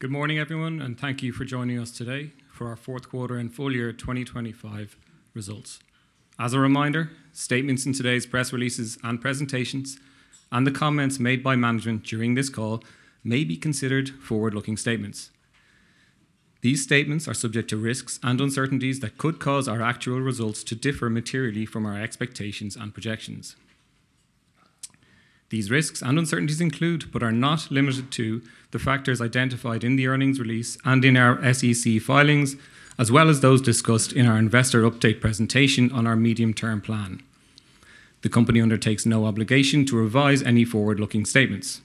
Good morning, everyone, and thank you for joining us today for our fourth quarter and full year 2025 results. As a reminder, statements in today's press releases and presentations, and the comments made by management during this call, may be considered forward-looking statements. These statements are subject to risks and uncertainties that could cause our actual results to differ materially from our expectations and projections. These risks and uncertainties include, but are not limited to, the factors identified in the earnings release and in our SEC filings, as well as those discussed in our investor update presentation on our medium-term plan. The company undertakes no obligation to revise any forward-looking statements.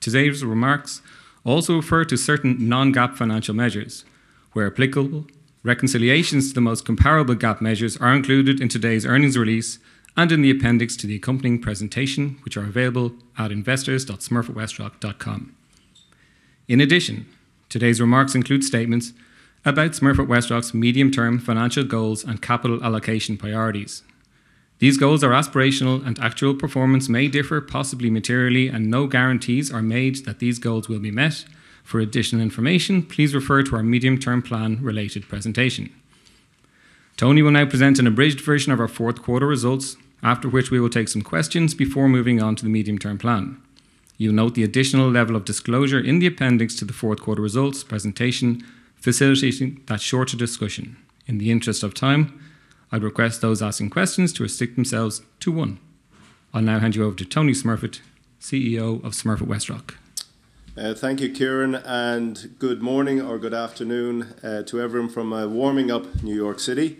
Today's remarks also refer to certain non-GAAP financial measures. Where applicable, reconciliations to the most comparable GAAP measures are included in today's earnings release and in the appendix to the accompanying presentation, which are available at investors.smurfitwestrock.com. In addition, today's remarks include statements about Smurfit Westrock's medium-term financial goals and capital allocation priorities. These goals are aspirational, and actual performance may differ, possibly materially, and no guarantees are made that these goals will be met. For additional information, please refer to our medium-term plan related presentation. Tony will now present an abridged version of our fourth quarter results, after which we will take some questions before moving on to the medium-term plan. You'll note the additional level of disclosure in the appendix to the fourth quarter results presentation, facilitating that shorter discussion. In the interest of time, I'd request those asking questions to restrict themselves to one. I'll now hand you over to Tony Smurfit, CEO of Smurfit Westrock. Thank you, Ciarán, and good morning or good afternoon to everyone from a warming-up New York City.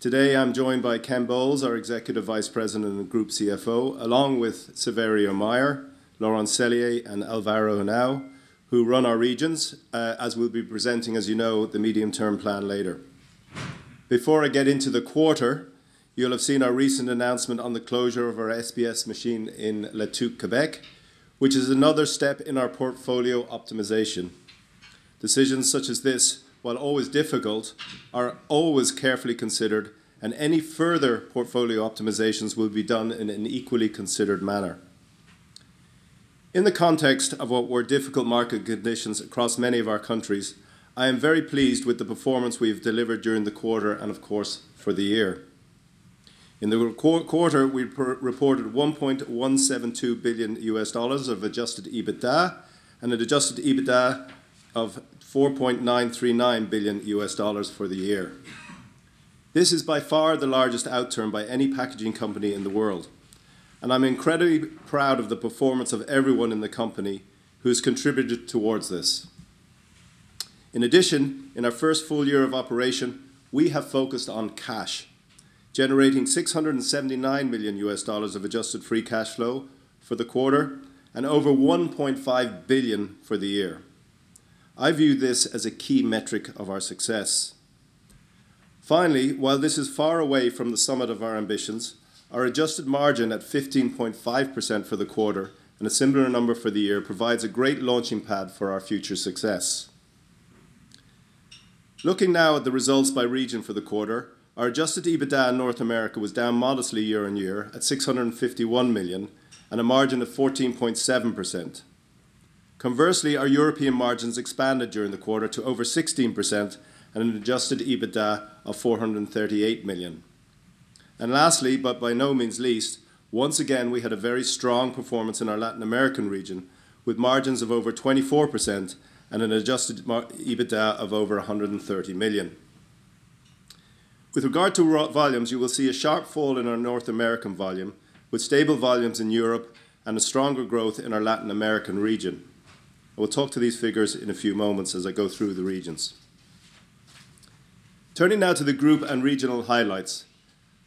Today, I'm joined by Ken Bowles, our Executive Vice President and Group CFO, along with Saverio Mayer, Laurent Sellier, and Alvaro Henao, who run our regions, as we'll be presenting, as you know, the medium-term plan later. Before I get into the quarter, you'll have seen our recent announcement on the closure of our SBS machine in La Tuque, Quebec, which is another step in our portfolio optimization. Decisions such as this, while always difficult, are always carefully considered, and any further portfolio optimizations will be done in an equally considered manner. In the context of what were difficult market conditions across many of our countries, I am very pleased with the performance we have delivered during the quarter and, of course, for the year. In the quarter, we reported $1.172 billion of Adjusted EBITDA and an Adjusted EBITDA of $4.939 billion for the year. This is by far the largest outturn by any packaging company in the world, and I'm incredibly proud of the performance of everyone in the company who's contributed towards this. In addition, in our first full year of operation, we have focused on cash, generating $679 million of adjusted free cash flow for the quarter and over $1.5 billion for the year. I view this as a key metric of our success. Finally, while this is far away from the summit of our ambitions, our adjusted margin at 15.5% for the quarter, and a similar number for the year, provides a great launching pad for our future success. Looking now at the results by region for the quarter, our adjusted EBITDA in North America was down modestly year-on-year at $651 million and a margin of 14.7%. Conversely, our European margins expanded during the quarter to over 16% and an adjusted EBITDA of $438 million. And lastly, but by no means least, once again, we had a very strong performance in our Latin American region, with margins of over 24% and an adjusted EBITDA of over $130 million. With regard to raw volumes, you will see a sharp fall in our North American volume, with stable volumes in Europe and a stronger growth in our Latin American region. I will talk to these figures in a few moments as I go through the regions. Turning now to the group and regional highlights,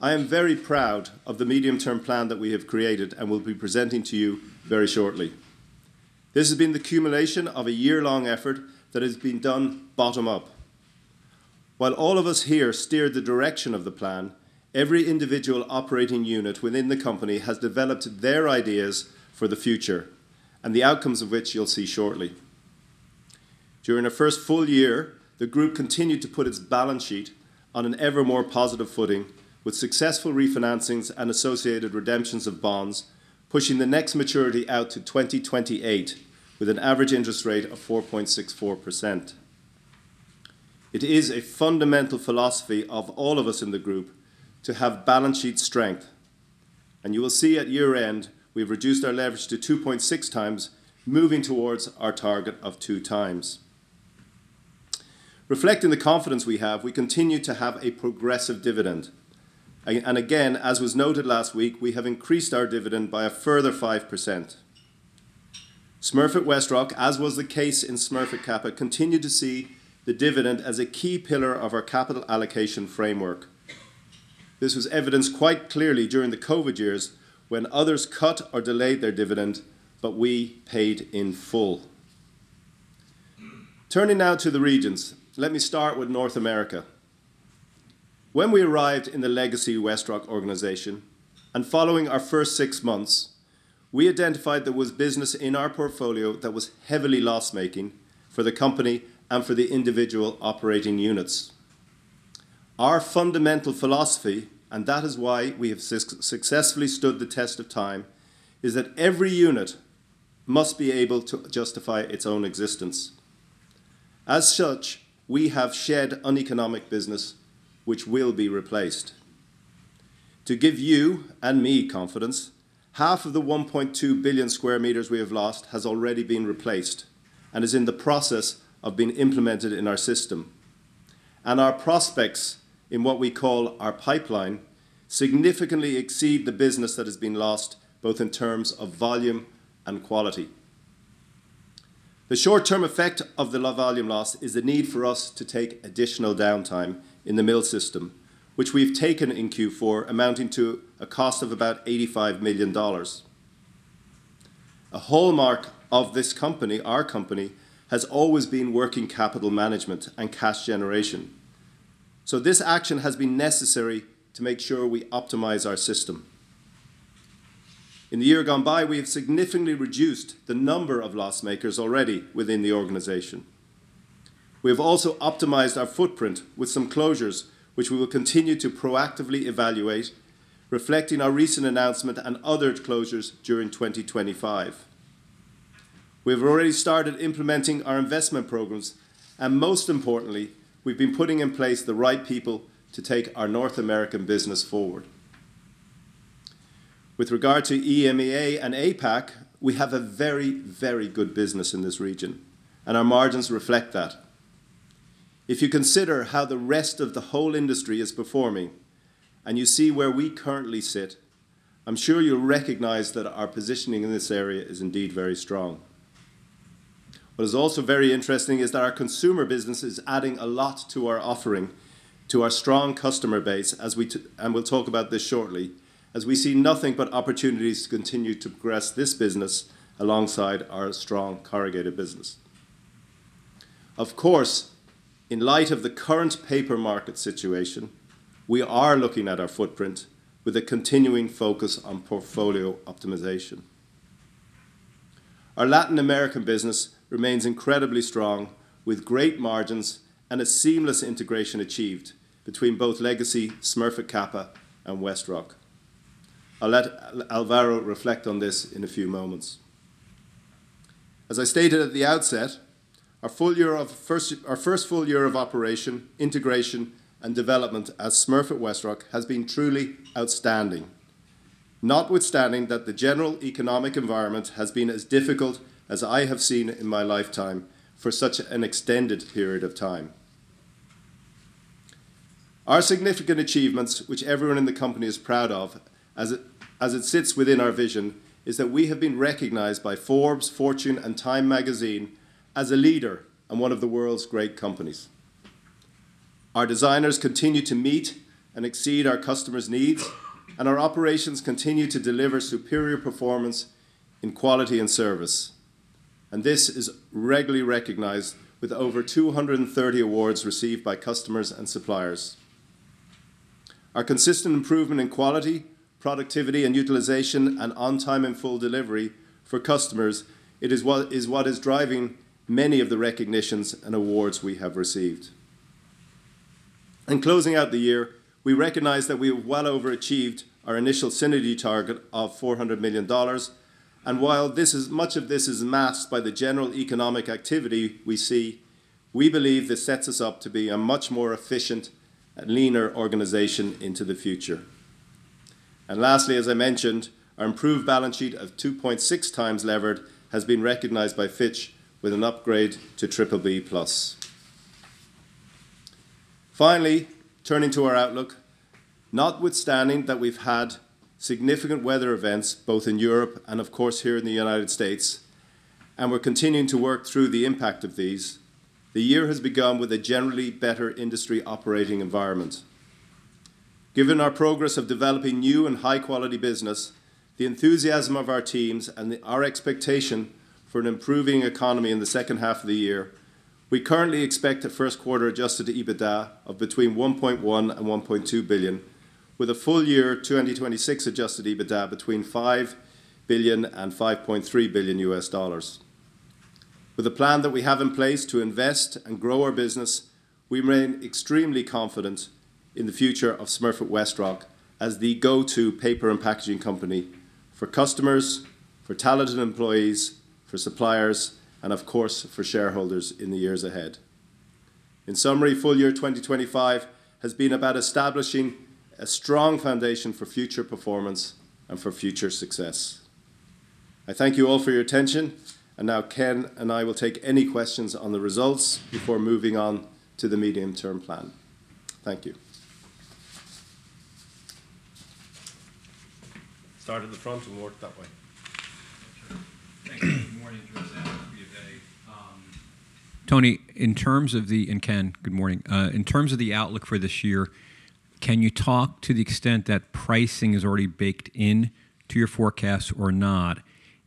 I am very proud of the medium-term plan that we have created and will be presenting to you very shortly. This has been the culmination of a year-long effort that has been done bottom up. While all of us here steered the direction of the plan, every individual operating unit within the company has developed their ideas for the future, and the outcomes of which you'll see shortly. During our first full year, the group continued to put its balance sheet on an ever more positive footing, with successful refinancings and associated redemptions of bonds, pushing the next maturity out to 2028, with an average interest rate of 4.64%. It is a fundamental philosophy of all of us in the group to have balance sheet strength, and you will see at year-end, we've reduced our leverage to 2.6x, moving towards our target of 2x. Reflecting the confidence we have, we continue to have a progressive dividend. And again, as was noted last week, we have increased our dividend by a further 5%. Smurfit Westrock, as was the case in Smurfit Kappa, continued to see the dividend as a key pillar of our capital allocation framework. This was evidenced quite clearly during the COVID years when others cut or delayed their dividend, but we paid in full. Turning now to the regions, let me start with North America. When we arrived in the legacy WestRock organization, and following our first six months, we identified there was business in our portfolio that was heavily loss-making for the company and for the individual operating units. Our fundamental philosophy, and that is why we have successfully stood the test of time, is that every unit must be able to justify its own existence. As such, we have shed uneconomic business, which will be replaced. To give you and me confidence, half of the 1.2 billion sq m we have lost has already been replaced and is in the process of being implemented in our system. Our prospects in what we call our pipeline significantly exceed the business that has been lost, both in terms of volume and quality. The short-term effect of the low volume loss is the need for us to take additional downtime in the mill system, which we've taken in Q4, amounting to a cost of about $85 million. A hallmark of this company, our company, has always been working capital management and cash generation, so this action has been necessary to make sure we optimize our system. In the year gone by, we have significantly reduced the number of loss makers already within the organization. We have also optimized our footprint with some closures, which we will continue to proactively evaluate, reflecting our recent announcement and other closures during 2025. We have already started implementing our investment programs, and most importantly, we've been putting in place the right people to take our North American business forward. With regard to EMEA and APAC, we have a very, very good business in this region, and our margins reflect that. If you consider how the rest of the whole industry is performing, and you see where we currently sit, I'm sure you'll recognize that our positioning in this area is indeed very strong. What is also very interesting is that our consumer business is adding a lot to our offering, to our strong customer base, and we'll talk about this shortly, as we see nothing but opportunities to continue to progress this business alongside our strong corrugated business. Of course, in light of the current paper market situation, we are looking at our footprint with a continuing focus on portfolio optimization. Our Latin American business remains incredibly strong, with great margins and a seamless integration achieved between both legacy Smurfit Kappa and WestRock. I'll let Alvaro reflect on this in a few moments. As I stated at the outset, our first full year of operation, integration, and development as Smurfit Westrock has been truly outstanding. Notwithstanding that the general economic environment has been as difficult as I have seen in my lifetime for such an extended period of time. Our significant achievements, which everyone in the company is proud of, as it sits within our vision, is that we have been recognized by Forbes, Fortune, and Time Magazine as a leader and one of the world's great companies. Our designers continue to meet and exceed our customers' needs, and our operations continue to deliver superior performance in quality and service, and this is regularly recognized with over 230 awards received by customers and suppliers. Our consistent improvement in quality, productivity, and utilization, and on-time and full delivery for customers, it is what is driving many of the recognitions and awards we have received. In closing out the year, we recognize that we have well overachieved our initial synergy target of $400 million, and while this is, much of this is masked by the general economic activity we see, we believe this sets us up to be a much more efficient and leaner organization into the future. And lastly, as I mentioned, our improved balance sheet of 2.6 times levered has been recognized by Fitch with an upgrade to BBB+. Finally, turning to our outlook, notwithstanding that we've had significant weather events, both in Europe and of course here in the United States, and we're continuing to work through the impact of these, the year has begun with a generally better industry operating environment. Given our progress of developing new and high-quality business, the enthusiasm of our teams, and our expectation for an improving economy in the second half of the year, we currently expect a first quarter Adjusted EBITDA of between $1.1 billion and $1.2 billion, with a full year 2026 Adjusted EBITDA between $5 billion and $5.3 billion. With the plan that we have in place to invest and grow our business, we remain extremely confident in the future of Smurfit Westrock as the go-to paper and packaging company for customers, for talented employees, for suppliers, and of course, for shareholders in the years ahead. In summary, full year 2025 has been about establishing a strong foundation for future performance and for future success. I thank you all for your attention, and now Ken and I will take any questions on the results before moving on to the medium-term plan. Thank you. Start at the front and work that way. Thanks. Good morning, Jose. Tony, in terms of the outlook for this year, can you talk to the extent that pricing is already baked in to your forecast or not?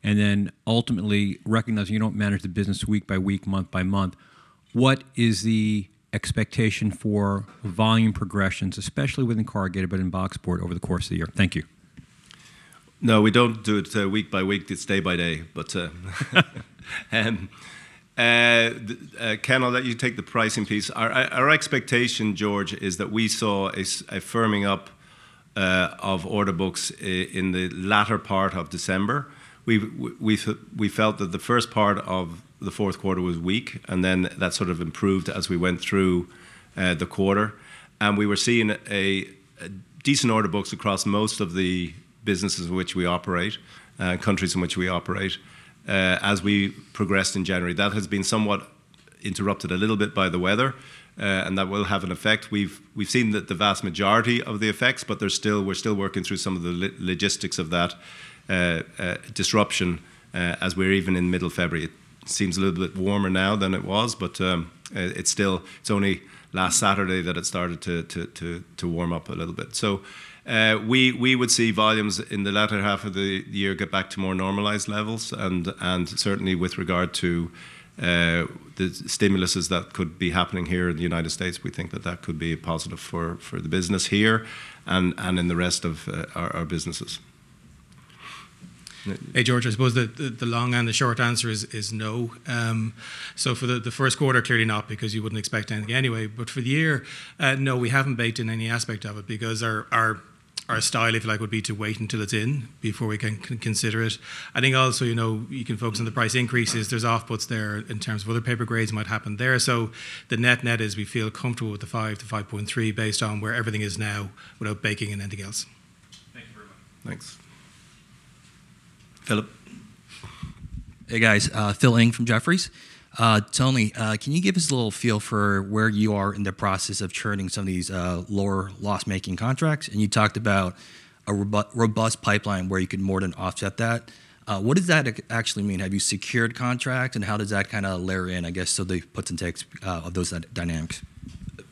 And then ultimately, recognizing you don't manage the business week by week, month by month, what is the expectation for volume progressions, especially within corrugated, but in box board over the course of the year? Thank you.... No, we don't do it week by week, it's day by day. But Ken, I'll let you take the pricing piece. Our expectation, George, is that we saw a firming up of order books in the latter part of December. We felt that the first part of the fourth quarter was weak, and then that sort of improved as we went through the quarter. And we were seeing a decent order books across most of the businesses in which we operate, countries in which we operate, as we progressed in January. That has been somewhat interrupted a little bit by the weather, and that will have an effect. We've seen that the vast majority of the effects, but they're still we're still working through some of the logistics of that disruption, as we're even in middle February. It seems a little bit warmer now than it was, but, it's still. It's only last Saturday that it started to warm up a little bit. So, we would see volumes in the latter half of the year get back to more normalized levels, and certainly with regard to the stimuluses that could be happening here in the United States, we think that that could be a positive for the business here and in the rest of our businesses. Hey, George, I suppose the long and the short answer is no. So for the first quarter, clearly not, because you wouldn't expect anything anyway. But for the year, no, we haven't baked in any aspect of it because our style, if you like, would be to wait until it's in before we can consider it. I think also, you know, you can focus on the price increases. There's offsets there in terms of other paper grades might happen there. So the net-net is we feel comfortable with the $5-$5.3 based on where everything is now without baking in anything else. Thank you very much. Thanks. Philip? Hey, guys, Phil Ng from Jefferies. Tony, can you give us a little feel for where you are in the process of churning some of these, lower loss-making contracts? And you talked about a robust pipeline where you could more than offset that. What does that actually mean? Have you secured contract, and how does that kind of layer in, I guess, so the puts and takes, of those dynamics?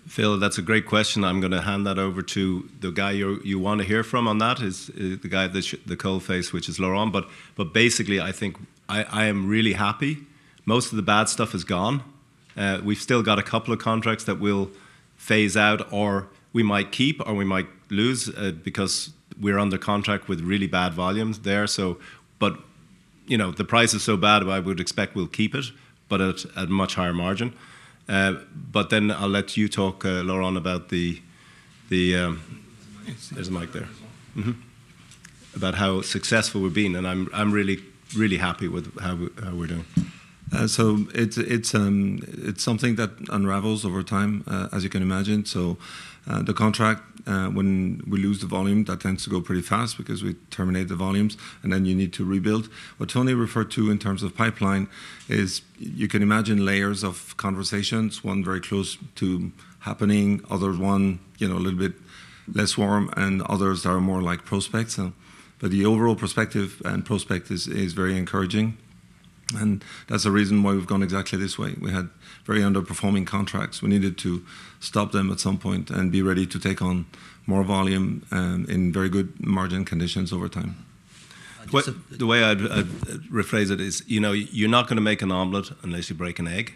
Phil, that's a great question. I'm going to hand that over to the guy you want to hear from on that, the guy at the coalface, which is Laurent. But basically, I think I am really happy. Most of the bad stuff is gone. We've still got a couple of contracts that we'll phase out, or we might keep, or we might lose, because we're under contract with really bad volumes there, so... But you know, the price is so bad, I would expect we'll keep it, but at much higher margin. But then I'll let you talk, Laurent, about the... There's a mic. There's a mic there. Mm-hmm. About how successful we've been, and I'm really, really happy with how we're doing. So it's something that unravels over time, as you can imagine. So, the contract, when we lose the volume, that tends to go pretty fast because we terminate the volumes, and then you need to rebuild. What Tony referred to in terms of pipeline is, you can imagine layers of conversations, one very close to happening, others one, you know, a little bit less warm, and others are more like prospects. But the overall perspective and prospect is very encouraging, and that's the reason why we've gone exactly this way. We had very underperforming contracts. We needed to stop them at some point and be ready to take on more volume, in very good margin conditions over time. But the way I'd rephrase it is, you know, you're not going to make an omelette unless you break an egg.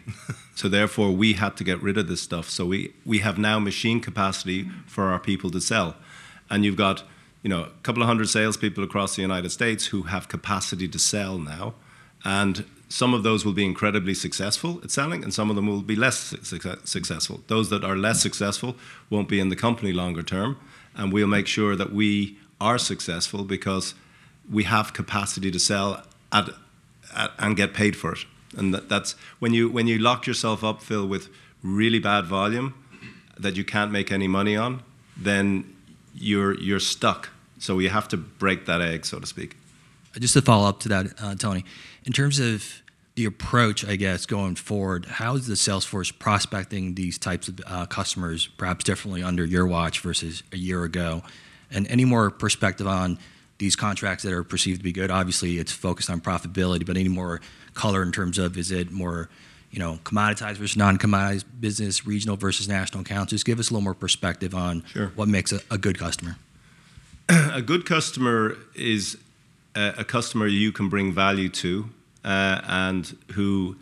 So therefore, we had to get rid of this stuff, so we have now machine capacity for our people to sell. And you've got, you know, a couple of hundred salespeople across the United States who have capacity to sell now, and some of those will be incredibly successful at selling, and some of them will be less successful. Those that are less successful won't be in the company longer term, and we'll make sure that we are successful because we have capacity to sell at and get paid for it. And that's. When you lock yourself up, Phil, with really bad volume that you can't make any money on, then you're stuck. We have to break that egg, so to speak. Just a follow-up to that, Tony. In terms of the approach, I guess, going forward, how is the sales force prospecting these types of customers, perhaps differently under your watch versus a year ago? And any more perspective on these contracts that are perceived to be good? Obviously, it's focused on profitability, but any more color in terms of is it more, you know, commoditized versus non-commoditized business, regional versus national accounts? Just give us a little more perspective on- Sure... what makes a good customer. A good customer is a customer you can bring value to and who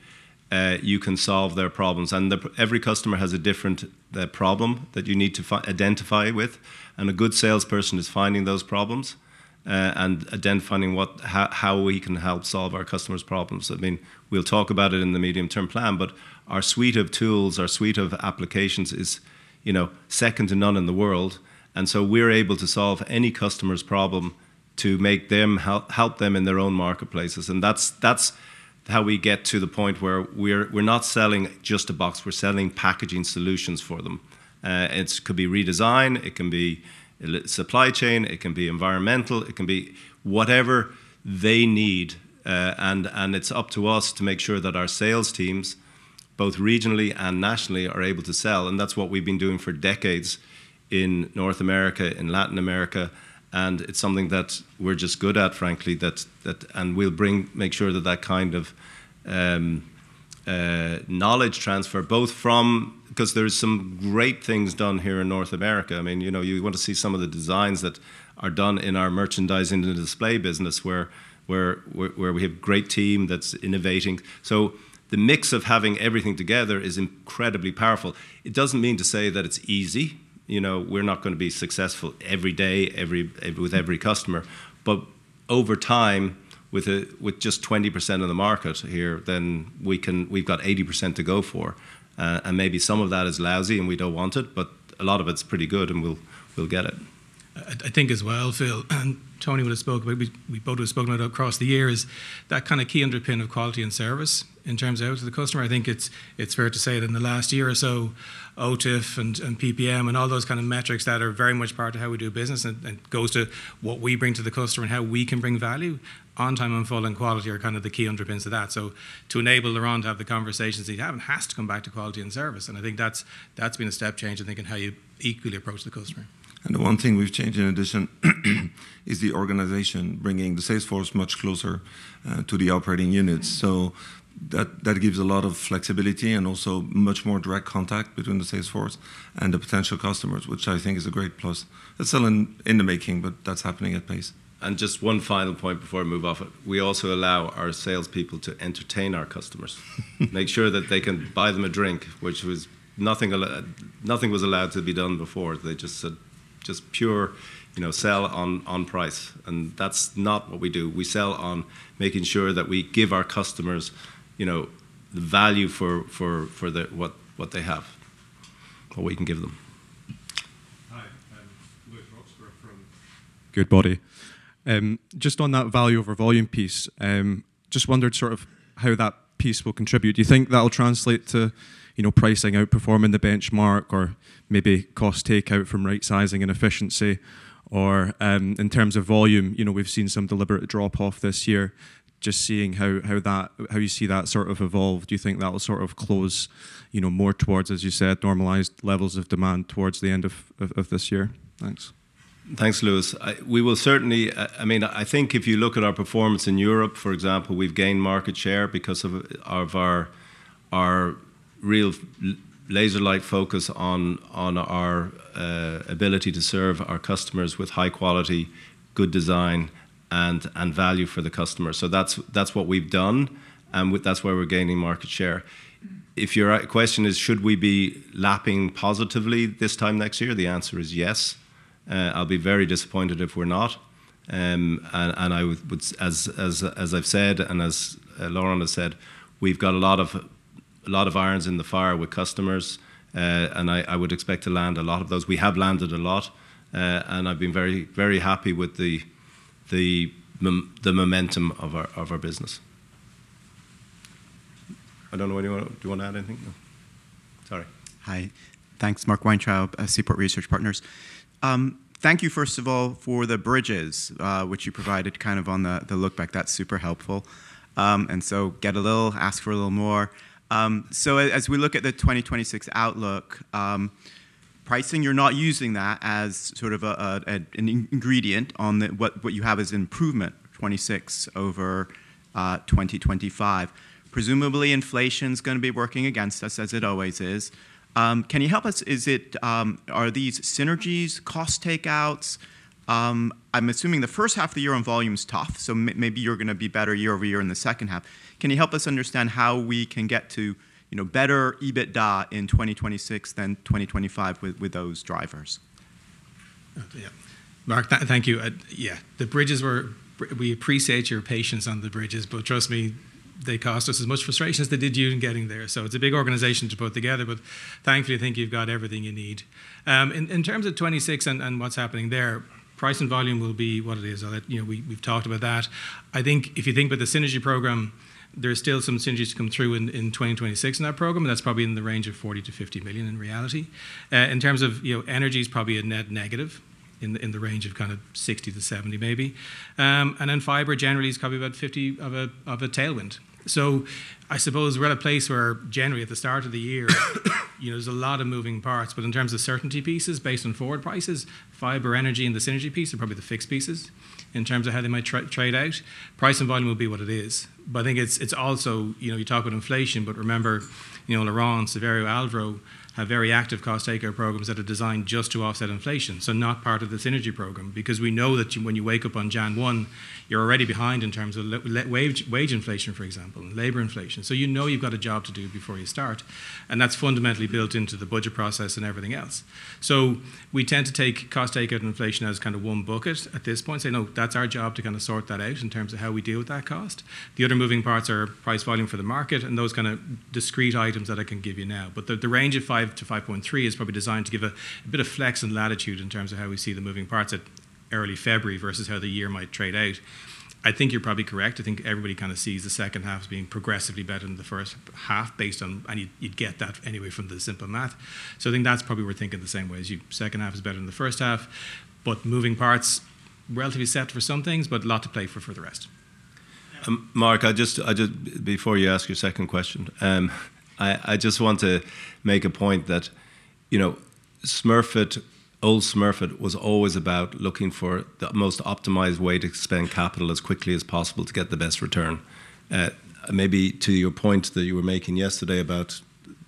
you can solve their problems. Every customer has a different problem that you need to identify with, and a good salesperson is finding those problems and identifying what, how, how we can help solve our customers' problems. I mean, we'll talk about it in the medium-term plan, but our suite of tools, our suite of applications is, you know, second to none in the world, and so we're able to solve any customer's problem to make them, help, help them in their own marketplaces. And that's how we get to the point where we're not selling just a box, we're selling packaging solutions for them. It could be redesign, it can be supply chain, it can be environmental, it can be whatever they need. It's up to us to make sure that our sales teams, both regionally and nationally, are able to sell, and that's what we've been doing for decades in North America, in Latin America, and it's something that we're just good at, frankly. That's. And we'll bring, make sure that that kind of knowledge transfer, both from, because there are some great things done here in North America. I mean, you know, you want to see some of the designs that are done in our merchandising and display business, where we have great team that's innovating. So the mix of having everything together is incredibly powerful. It doesn't mean to say that it's easy, you know, we're not gonna be successful every day, every with every customer. But over time, with just 20% of the market here, then we can, we've got 80% to go for. And maybe some of that is lousy, and we don't want it, but a lot of it's pretty good, and we'll, we'll get it. I think as well, Phil, and Tony would've spoke about, we both have spoken about across the years, that kind of key underpin of quality and service in terms out to the customer. I think it's fair to say that in the last year or so, OTIF and PPM, and all those kind of metrics that are very much part of how we do business, and goes to what we bring to the customer and how we can bring value, on time and full and quality are kind of the key underpins to that. So to enable Laurent to have the conversations that he's having, has to come back to quality and service, and I think that's been a step change, I think, in how you equally approach the customer. The one thing we've changed in addition is the organization, bringing the sales force much closer to the operating units. So that gives a lot of flexibility and also much more direct contact between the sales force and the potential customers, which I think is a great plus. It's still in the making, but that's happening at pace. Just one final point before I move off it. We also allow our salespeople to entertain our customers. Make sure that they can buy them a drink, which was nothing—nothing was allowed to be done before. They just said, "Just pure, you know, sell on, on price." And that's not what we do. We sell on making sure that we give our customers, you know, the value for what they have or we can give them. Hi, I'm Lewis Roxburgh from Goodbody. Just on that value over volume piece, just wondered sort of how that piece will contribute. Do you think that'll translate to, you know, pricing outperforming the benchmark or maybe cost takeout from right-sizing and efficiency? Or, in terms of volume, you know, we've seen some deliberate drop-off this year. Just seeing how you see that sort of evolve. Do you think that will sort of close, you know, more towards, as you said, normalized levels of demand towards the end of this year? Thanks. Thanks, Lewis. We will certainly... I mean, I think if you look at our performance in Europe, for example, we've gained market share because of our real laser-like focus on our ability to serve our customers with high quality, good design, and value for the customer. So that's what we've done, and that's where we're gaining market share. If your question is, should we be lapping positively this time next year? The answer is yes. I'll be very disappointed if we're not. And I would, as I've said, and as Laurent has said, we've got a lot of irons in the fire with customers, and I would expect to land a lot of those. We have landed a lot, and I've been very, very happy with the momentum of our business. I don't know, anyone - do you wanna add anything? No. Sorry. Hi. Thanks, Mark Weintraub, Seaport Research Partners. Thank you, first of all, for the bridges, which you provided kind of on the, the look back. That's super helpful. And so get a little, ask for a little more. So as we look at the 2026 outlook, pricing, you're not using that as sort of a, a, an ingredient on the... What you have is improvement, 2026 over 2025. Presumably, inflation's gonna be working against us, as it always is. Can you help us? Is it, are these synergies cost takeouts? I'm assuming the first half of the year on volume is tough, so maybe you're gonna be better year over year in the second half. Can you help us understand how we can get to, you know, better EBITDA in 2026 than 2025 with those drivers? Yeah. Mark, thank you. Yeah, the bridges were... We appreciate your patience on the bridges, but trust me, they cost us as much frustration as they did you in getting there. So it's a big organization to put together, but thankfully, I think you've got everything you need. In terms of 2026 and what's happening there, price and volume will be what it is. I'll let you know, we've talked about that. I think if you think about the synergy program, there are still some synergies to come through in 2026 in that program, and that's probably in the range of $40 million-$50 million in reality. In terms of, you know, energy is probably a net negative in the range of kind of $60 million-$70 million maybe. And then fiber generally is probably about 50 of a tailwind. So I suppose we're at a place where generally at the start of the year, you know, there's a lot of moving parts, but in terms of certainty pieces based on forward prices, fiber, energy, and the synergy piece are probably the fixed pieces in terms of how they might trade out. Price and volume will be what it is. But I think it's also, you know, you talk about inflation, but remember, you know, Laurent, Saverio, Alvaro, have very active cost takeout programs that are designed just to offset inflation, so not part of the synergy program. Because we know that when you wake up on January 1, you're already behind in terms of wage inflation, for example, labor inflation. So you know you've got a job to do before you start, and that's fundamentally built into the budget process and everything else. So we tend to take cost takeout and inflation as kind of one bucket at this point, say, "No, that's our job to kind of sort that out in terms of how we deal with that cost." The other moving parts are price volume for the market and those kind of discrete items that I can give you now. But the, the range of 5-5.3 is probably designed to give a, a bit of flex and latitude in terms of how we see the moving parts at early February versus how the year might trade out. I think you're probably correct. I think everybody kind of sees the second half as being progressively better than the first half, based on... You, you'd get that anyway from the simple math. I think that's probably we're thinking the same way as you. Second half is better than the first half, but moving parts, relatively set for some things, but a lot to play for, for the rest. Mark, I just, before you ask your second question, I just want to make a point that, you know, Smurfit, old Smurfit, was always about looking for the most optimized way to expend capital as quickly as possible to get the best return. Maybe to your point that you were making yesterday about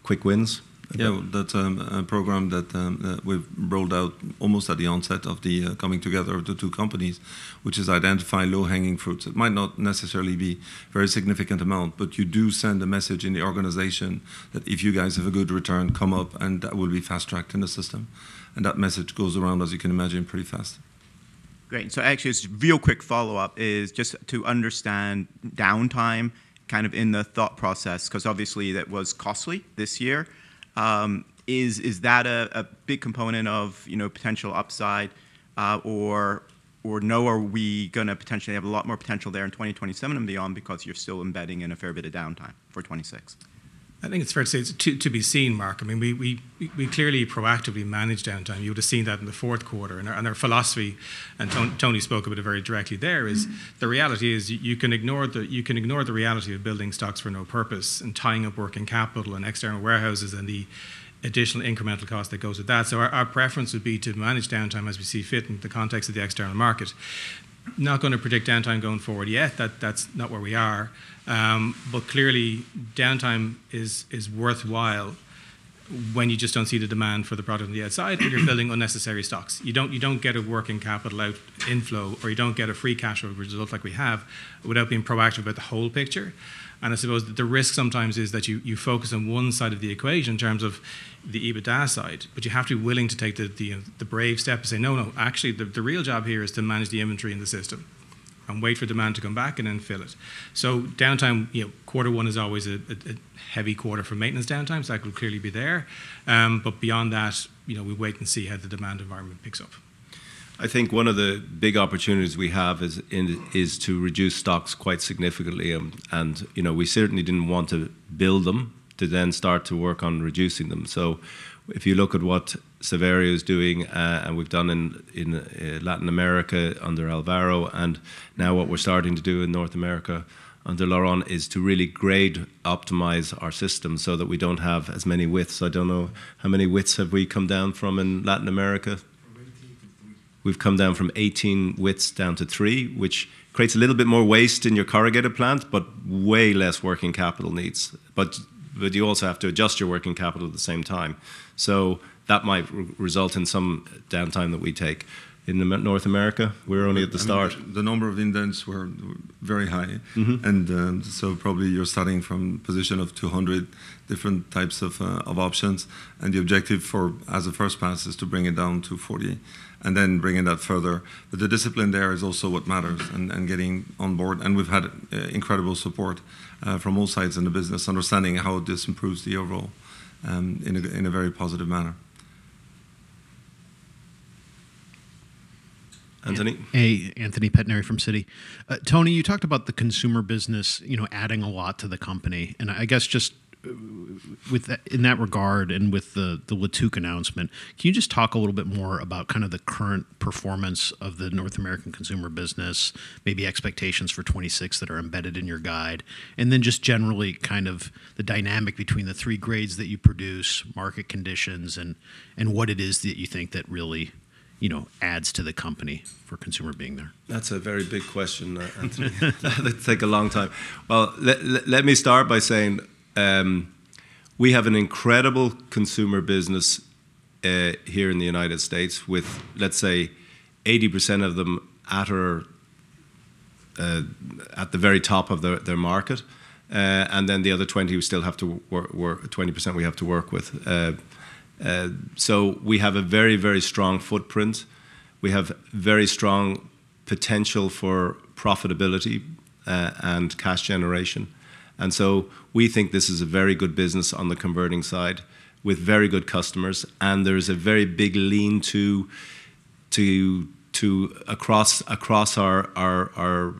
quick wins. Yeah, that's a program that we've rolled out almost at the onset of the coming together of the two companies, which is identify low-hanging fruits. It might not necessarily be a very significant amount, but you do send a message in the organization that if you guys have a good return, come up, and that will be fast-tracked in the system. And that message goes around, as you can imagine, pretty fast.... Great. So actually, just a real quick follow-up is just to understand downtime, kind of in the thought process, 'cause obviously that was costly this year. Is that a big component of, you know, potential upside, or no, are we gonna potentially have a lot more potential there in 2027 and beyond because you're still embedding in a fair bit of downtime for 2026? I think it's fair to say it's to be seen, Mark. I mean, we clearly proactively manage downtime. You would have seen that in the fourth quarter. And our philosophy, and Tony spoke about it very directly there, is the reality is you can ignore the reality of building stocks for no purpose, and tying up working capital and external warehouses, and the additional incremental cost that goes with that. So our preference would be to manage downtime as we see fit in the context of the external market. Not gonna predict downtime going forward yet, that's not where we are. But clearly, downtime is worthwhile when you just don't see the demand for the product on the outside, and you're building unnecessary stocks. You don't, you don't get a working capital out inflow, or you don't get a free cash flow, which it looks like we have, without being proactive about the whole picture. And I suppose the risk sometimes is that you, you focus on one side of the equation in terms of the EBITDA side, but you have to be willing to take the brave step and say, "No, no, actually, the real job here is to manage the inventory in the system and wait for demand to come back and then fill it." So downtime, you know, quarter one is always a heavy quarter for maintenance downtime, so that could clearly be there. But beyond that, you know, we wait and see how the demand environment picks up. I think one of the big opportunities we have is to reduce stocks quite significantly. And, you know, we certainly didn't want to build them to then start to work on reducing them. So if you look at what Saverio is doing, and we've done in Latin America under Alvaro, and now what we're starting to do in North America under Laurent, is to really grade-optimize our system so that we don't have as many widths. I don't know, how many widths have we come down from in Latin America? From 18 to three. We've come down from 18 widths down to three, which creates a little bit more waste in your corrugated plant, but way less working capital needs. But you also have to adjust your working capital at the same time. So that might result in some downtime that we take. In North America, we're only at the start. The number of indents were very high. Mm-hmm. So probably you're starting from a position of 200 different types of options, and the objective for, as a first pass, is to bring it down to 40, and then bringing that further. But the discipline there is also what matters, and getting on board. We've had incredible support from all sides in the business, understanding how this improves the overall in a very positive manner. Anthony? Hey, Anthony Pettinari from Citi. Tony, you talked about the consumer business, you know, adding a lot to the company, and I guess just with that in that regard and with the La Tuque announcement, can you just talk a little bit more about kind of the current performance of the North American consumer business, maybe expectations for 2026 that are embedded in your guide? And then just generally, kind of the dynamic between the three grades that you produce, market conditions, and what it is that you think that really, you know, adds to the company for consumer being there. That's a very big question, Anthony. That'll take a long time. Well, let me start by saying, we have an incredible consumer business here in the United States, with, let's say, 80% of them at our... at the very top of their market, and then the other 20%, we still have to work with. So we have a very, very strong footprint. We have very strong potential for profitability and cash generation, and so we think this is a very good business on the converting side, with very good customers. And there is a very big lean to across our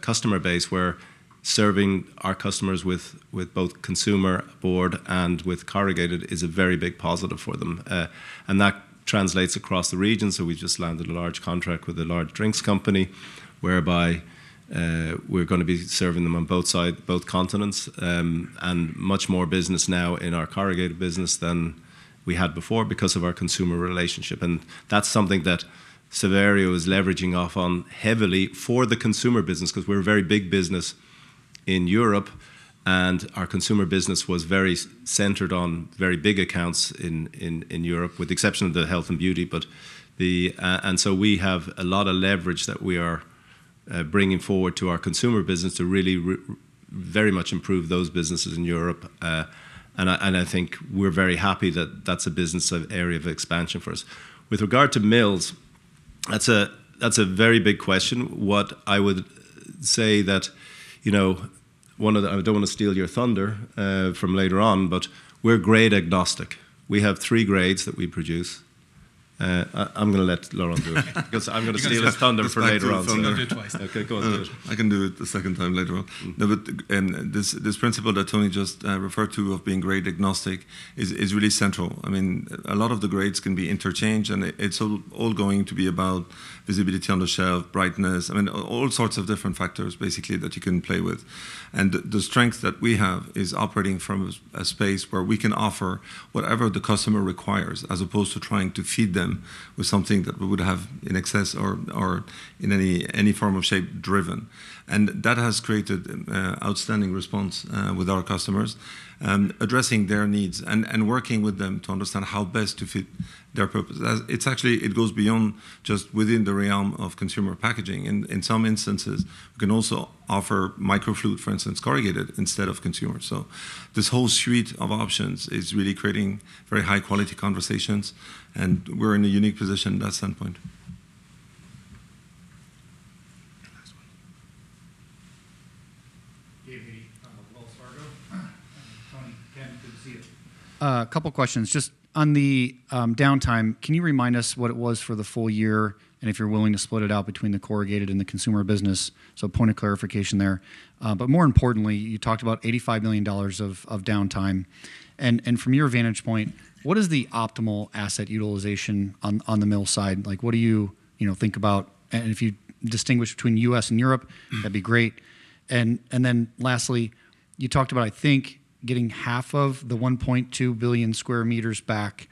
customer base, where serving our customers with both consumer board and with corrugated is a very big positive for them. And that translates across the region, so we just landed a large contract with a large drinks company, whereby we're gonna be serving them on both sides, both continents, and much more business now in our corrugated business than we had before because of our consumer relationship. And that's something that Saverio is leveraging off on heavily for the consumer business, because we're a very big business in Europe, and our consumer business was very centered on very big accounts in Europe, with the exception of the health and beauty. But the and so we have a lot of leverage that we are bringing forward to our consumer business to really very much improve those businesses in Europe. And I think we're very happy that that's a business area of expansion for us. With regard to mills, that's a very big question. What I would say that, you know, one of the... I don't want to steal your thunder from later on, but we're grade agnostic. We have three grades that we produce. I'm gonna let Laurent do it, because I'm gonna steal his thunder for later on. I'll do it twice. Okay, go on. I can do it a second time later on. But this principle that Tony just referred to of being grade agnostic is really central. I mean, a lot of the grades can be interchanged, and it's all going to be about visibility on the shelf, brightness, I mean, all sorts of different factors, basically, that you can play with. And the strength that we have is operating from a space where we can offer whatever the customer requires, as opposed to trying to feed them with something that we would have in excess or in any form or shape driven. And that has created outstanding response with our customers, addressing their needs and working with them to understand how best to fit their purpose. It's actually, it goes beyond just within the realm of consumer packaging. In some instances, we can also offer microflute, for instance, corrugated instead of consumer. So this whole suite of options is really creating very high-quality conversations, and we're in a unique position at that standpoint.... Wells Fargo. Tony, Ken, good to see you. A couple questions. Just on the downtime, can you remind us what it was for the full year, and if you're willing to split it out between the corrugated and the consumer business? So point of clarification there. But more importantly, you talked about $85 million of downtime. And from your vantage point, what is the optimal asset utilization on the mill side? Like, what do you, you know, think about... And if you distinguish between U.S. and Europe- Mm. That'd be great. And then lastly, you talked about, I think, getting half of the 1.2 billion sq m back.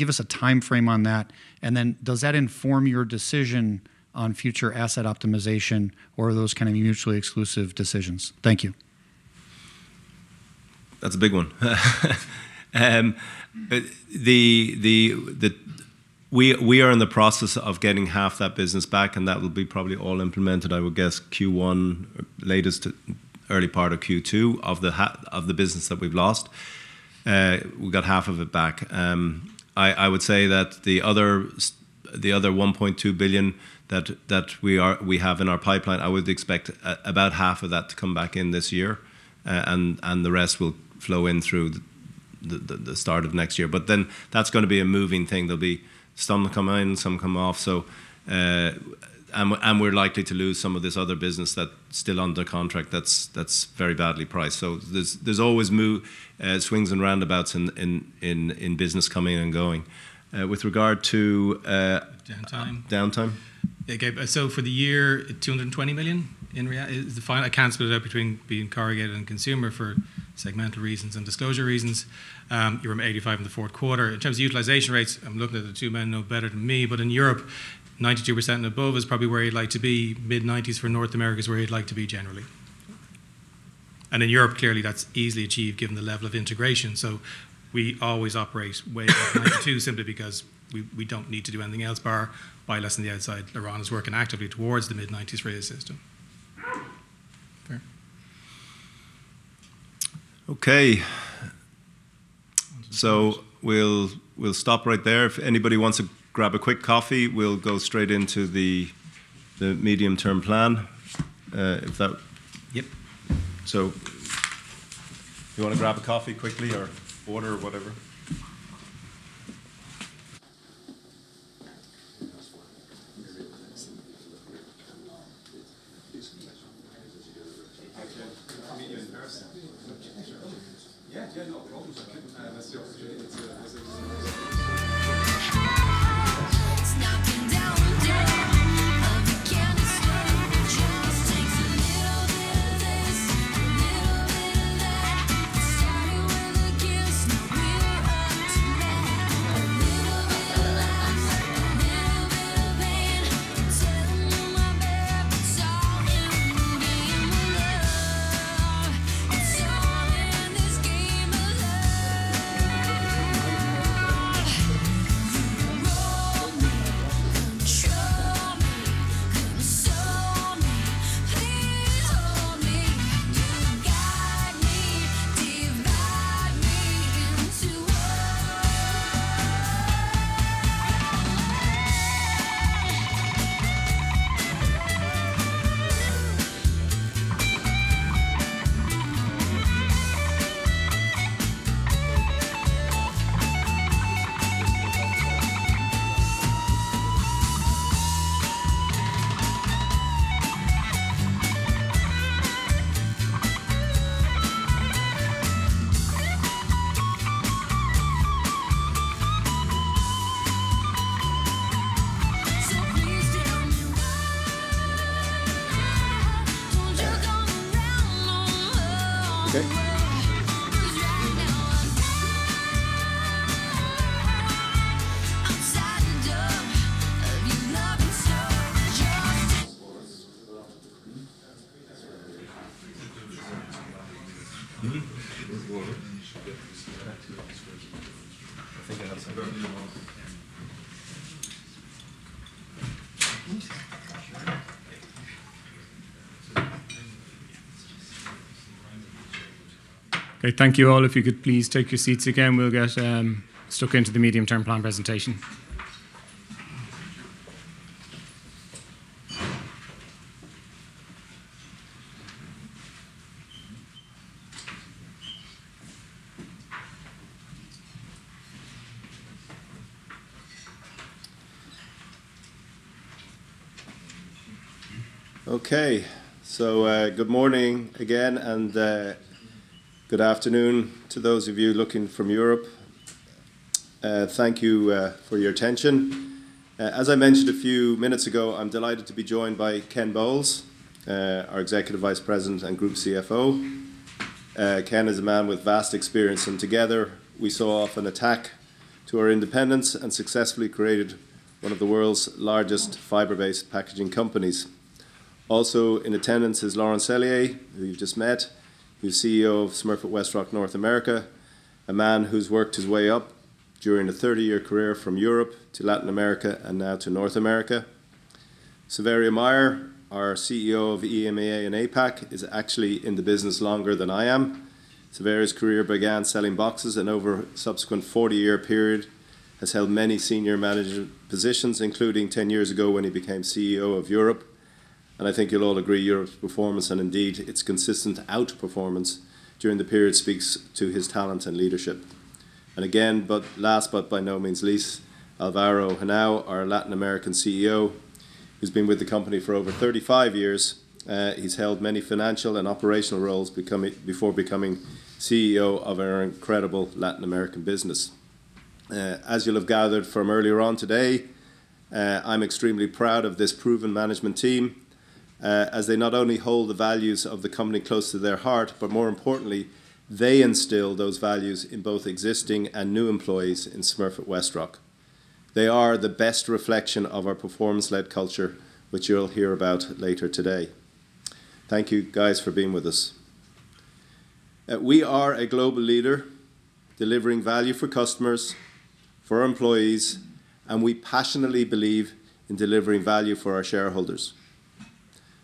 Give us a timeframe on that, and then does that inform your decision on future asset optimization, or are those kind of mutually exclusive decisions? Thank you. That's a big one. We are in the process of getting half that business back, and that will be probably all implemented, I would guess, Q1, latest early part of Q2, of the business that we've lost. We've got half of it back. I would say that the other one point two billion that we have in our pipeline, I would expect about half of that to come back in this year. And the rest will flow in through the start of next year. But then that's gonna be a moving thing. There'll be some that come in, some come off, so... And we're likely to lose some of this other business that's still under contract, that's very badly priced. So there's always swings and roundabouts in business coming and going. With regard to- Downtime. Downtime? Okay. So for the year, $220 million in real terms is the final. I can't split it out between the corrugated and consumer for segmental reasons and disclosure reasons. You were at 85% in the fourth quarter. In terms of utilization rates, I'm looking at the two men who know better than me, but in Europe, 92% and above is probably where you'd like to be. Mid-90s% for North America is where you'd like to be generally. And in Europe, clearly, that's easily achieved, given the level of integration. So we always operate way up to 92%, simply because we don't need to do anything else, but rely less on the outside. Laurent is working actively towards the mid-90s% for his system. Fair. Okay. So we'll, we'll stop right there. If anybody wants to grab a quick coffee, we'll go straight into the, the medium-term plan. If that- Yep. If you want to grab a coffee quickly or water or whatever. [Music background] Okay, thank you, all. If you could please take your seats again, we'll get stuck into the medium-term plan presentation. Okay. Good morning again, and good afternoon to those of you looking from Europe. Thank you for your attention. As I mentioned a few minutes ago, I'm delighted to be joined by Ken Bowles, our Executive Vice President and Group CFO. Ken is a man with vast experience, and together, we saw off an attack to our independence and successfully created one of the world's largest fiber-based packaging companies. Also, in attendance is Laurent Sellier, who you've just met, who's CEO of Smurfit Westrock, North America. A man who's worked his way up during a 30-year career from Europe to Latin America, and now to North America. Saverio Mayer, our CEO of EMEA and APAC, is actually in the business longer than I am. Xavier's career began selling boxes, and over a subsequent 40-year period, has held many senior manager positions, including 10 years ago when he became CEO of Europe. I think you'll all agree Europe's performance, and indeed its consistent outperformance during the period, speaks to his talent and leadership. And again, but last but by no means least, Alvaro Henao, our Latin American CEO, who's been with the company for over 35 years. He's held many financial and operational roles becoming, before becoming CEO of our incredible Latin American business. As you'll have gathered from earlier on today, I'm extremely proud of this proven management team, as they not only hold the values of the company close to their heart, but more importantly, they instill those values in both existing and new employees in Smurfit Westrock. They are the best reflection of our performance-led culture, which you'll hear about later today. Thank you, guys, for being with us. We are a global leader, delivering value for customers, for our employees, and we passionately believe in delivering value for our shareholders.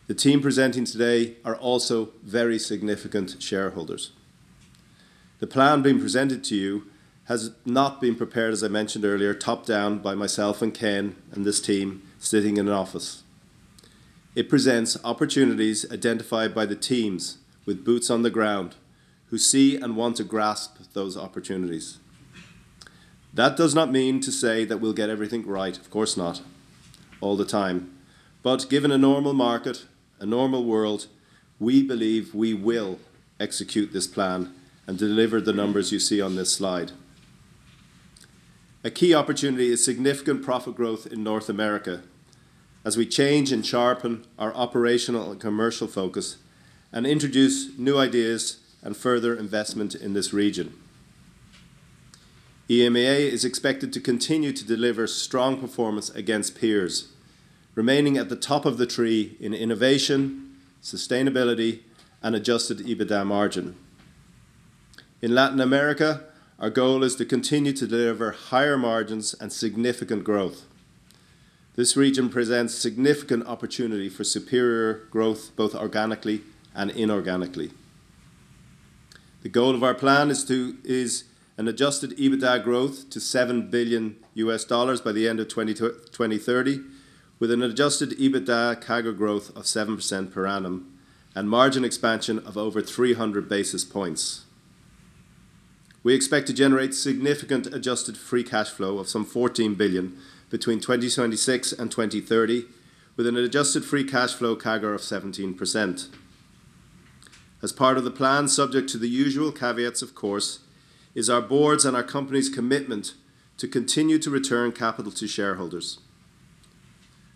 The team presenting today are also very significant shareholders. The plan being presented to you has not been prepared, as I mentioned earlier, top-down by myself and Ken and this team sitting in an office. It presents opportunities identified by the teams with boots on the ground, who see and want to grasp those opportunities. That does not mean to say that we'll get everything right, of course not, all the time. But given a normal market, a normal world, we believe we will execute this plan and deliver the numbers you see on this slide. A key opportunity is significant profit growth in North America as we change and sharpen our operational and commercial focus and introduce new ideas and further investment in this region. EMEA is expected to continue to deliver strong performance against peers, remaining at the top of the tree in innovation, sustainability, and adjusted EBITDA margin. In Latin America, our goal is to continue to deliver higher margins and significant growth. This region presents significant opportunity for superior growth, both organically and inorganically. The goal of our plan is an adjusted EBITDA growth to $7 billion by the end of 2030, with an adjusted EBITDA CAGR growth of 7% per annum and margin expansion of over 300 basis points. We expect to generate significant adjusted free cash flow of some $14 billion between 2026 and 2030, with an adjusted free cash flow CAGR of 17%. As part of the plan, subject to the usual caveats, of course, is our board's and our company's commitment to continue to return capital to shareholders.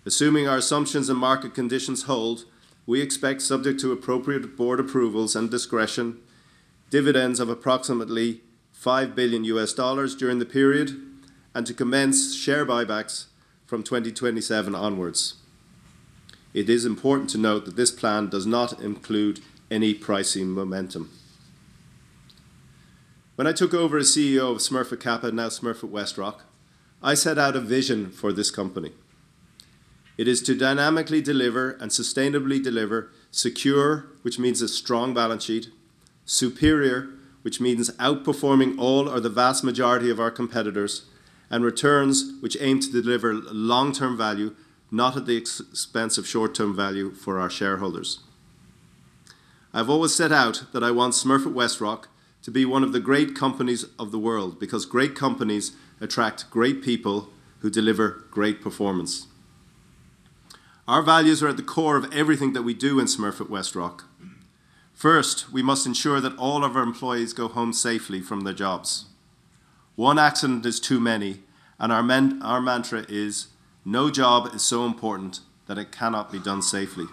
Assuming our assumptions and market conditions hold, we expect, subject to appropriate board approvals and discretion, dividends of approximately $5 billion during the period, and to commence share buybacks from 2027 onwards. It is important to note that this plan does not include any pricing momentum. When I took over as CEO of Smurfit Kappa, now Smurfit Westrock, I set out a vision for this company. It is to dynamically deliver and sustainably deliver secure, which means a strong balance sheet. Superior, which means outperforming all or the vast majority of our competitors. And returns, which aim to deliver long-term value, not at the expense of short-term value for our shareholders. I've always set out that I want Smurfit Westrock to be one of the great companies of the world, because great companies attract great people, who deliver great performance. Our values are at the core of everything that we do in Smurfit Westrock. First, we must ensure that all of our employees go home safely from their jobs. One accident is too many, and our mantra is: No job is so important that it cannot be done safely.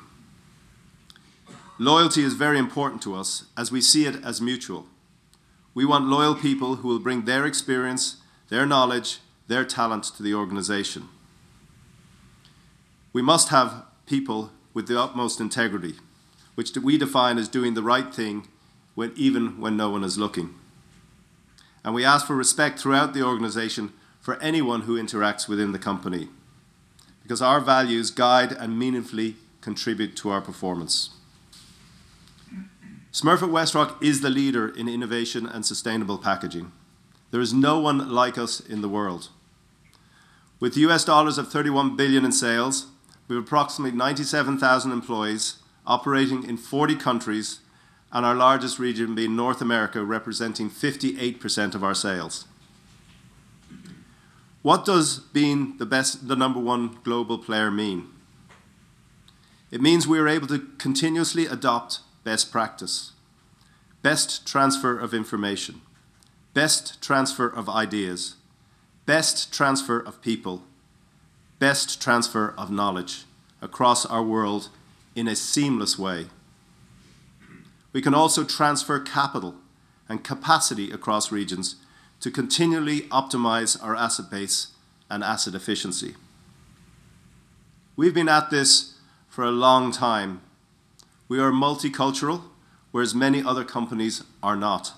Loyalty is very important to us, as we see it as mutual. We want loyal people who will bring their experience, their knowledge, their talents to the organization. We must have people with the utmost integrity, which we define as doing the right thing when, even when no one is looking. We ask for respect throughout the organization for anyone who interacts within the company, because our values guide and meaningfully contribute to our performance. Smurfit Westrock is the leader in innovation and sustainable packaging. There is no one like us in the world. With $31 billion in sales, we have approximately 97,000 employees operating in 40 countries, and our largest region being North America, representing 58% of our sales. What does being the best, the number one global player mean? It means we are able to continuously adopt best practice, best transfer of information, best transfer of ideas, best transfer of people, best transfer of knowledge across our world in a seamless way. We can also transfer capital and capacity across regions to continually optimize our asset base and asset efficiency. We've been at this for a long time. We are multicultural, whereas many other companies are not.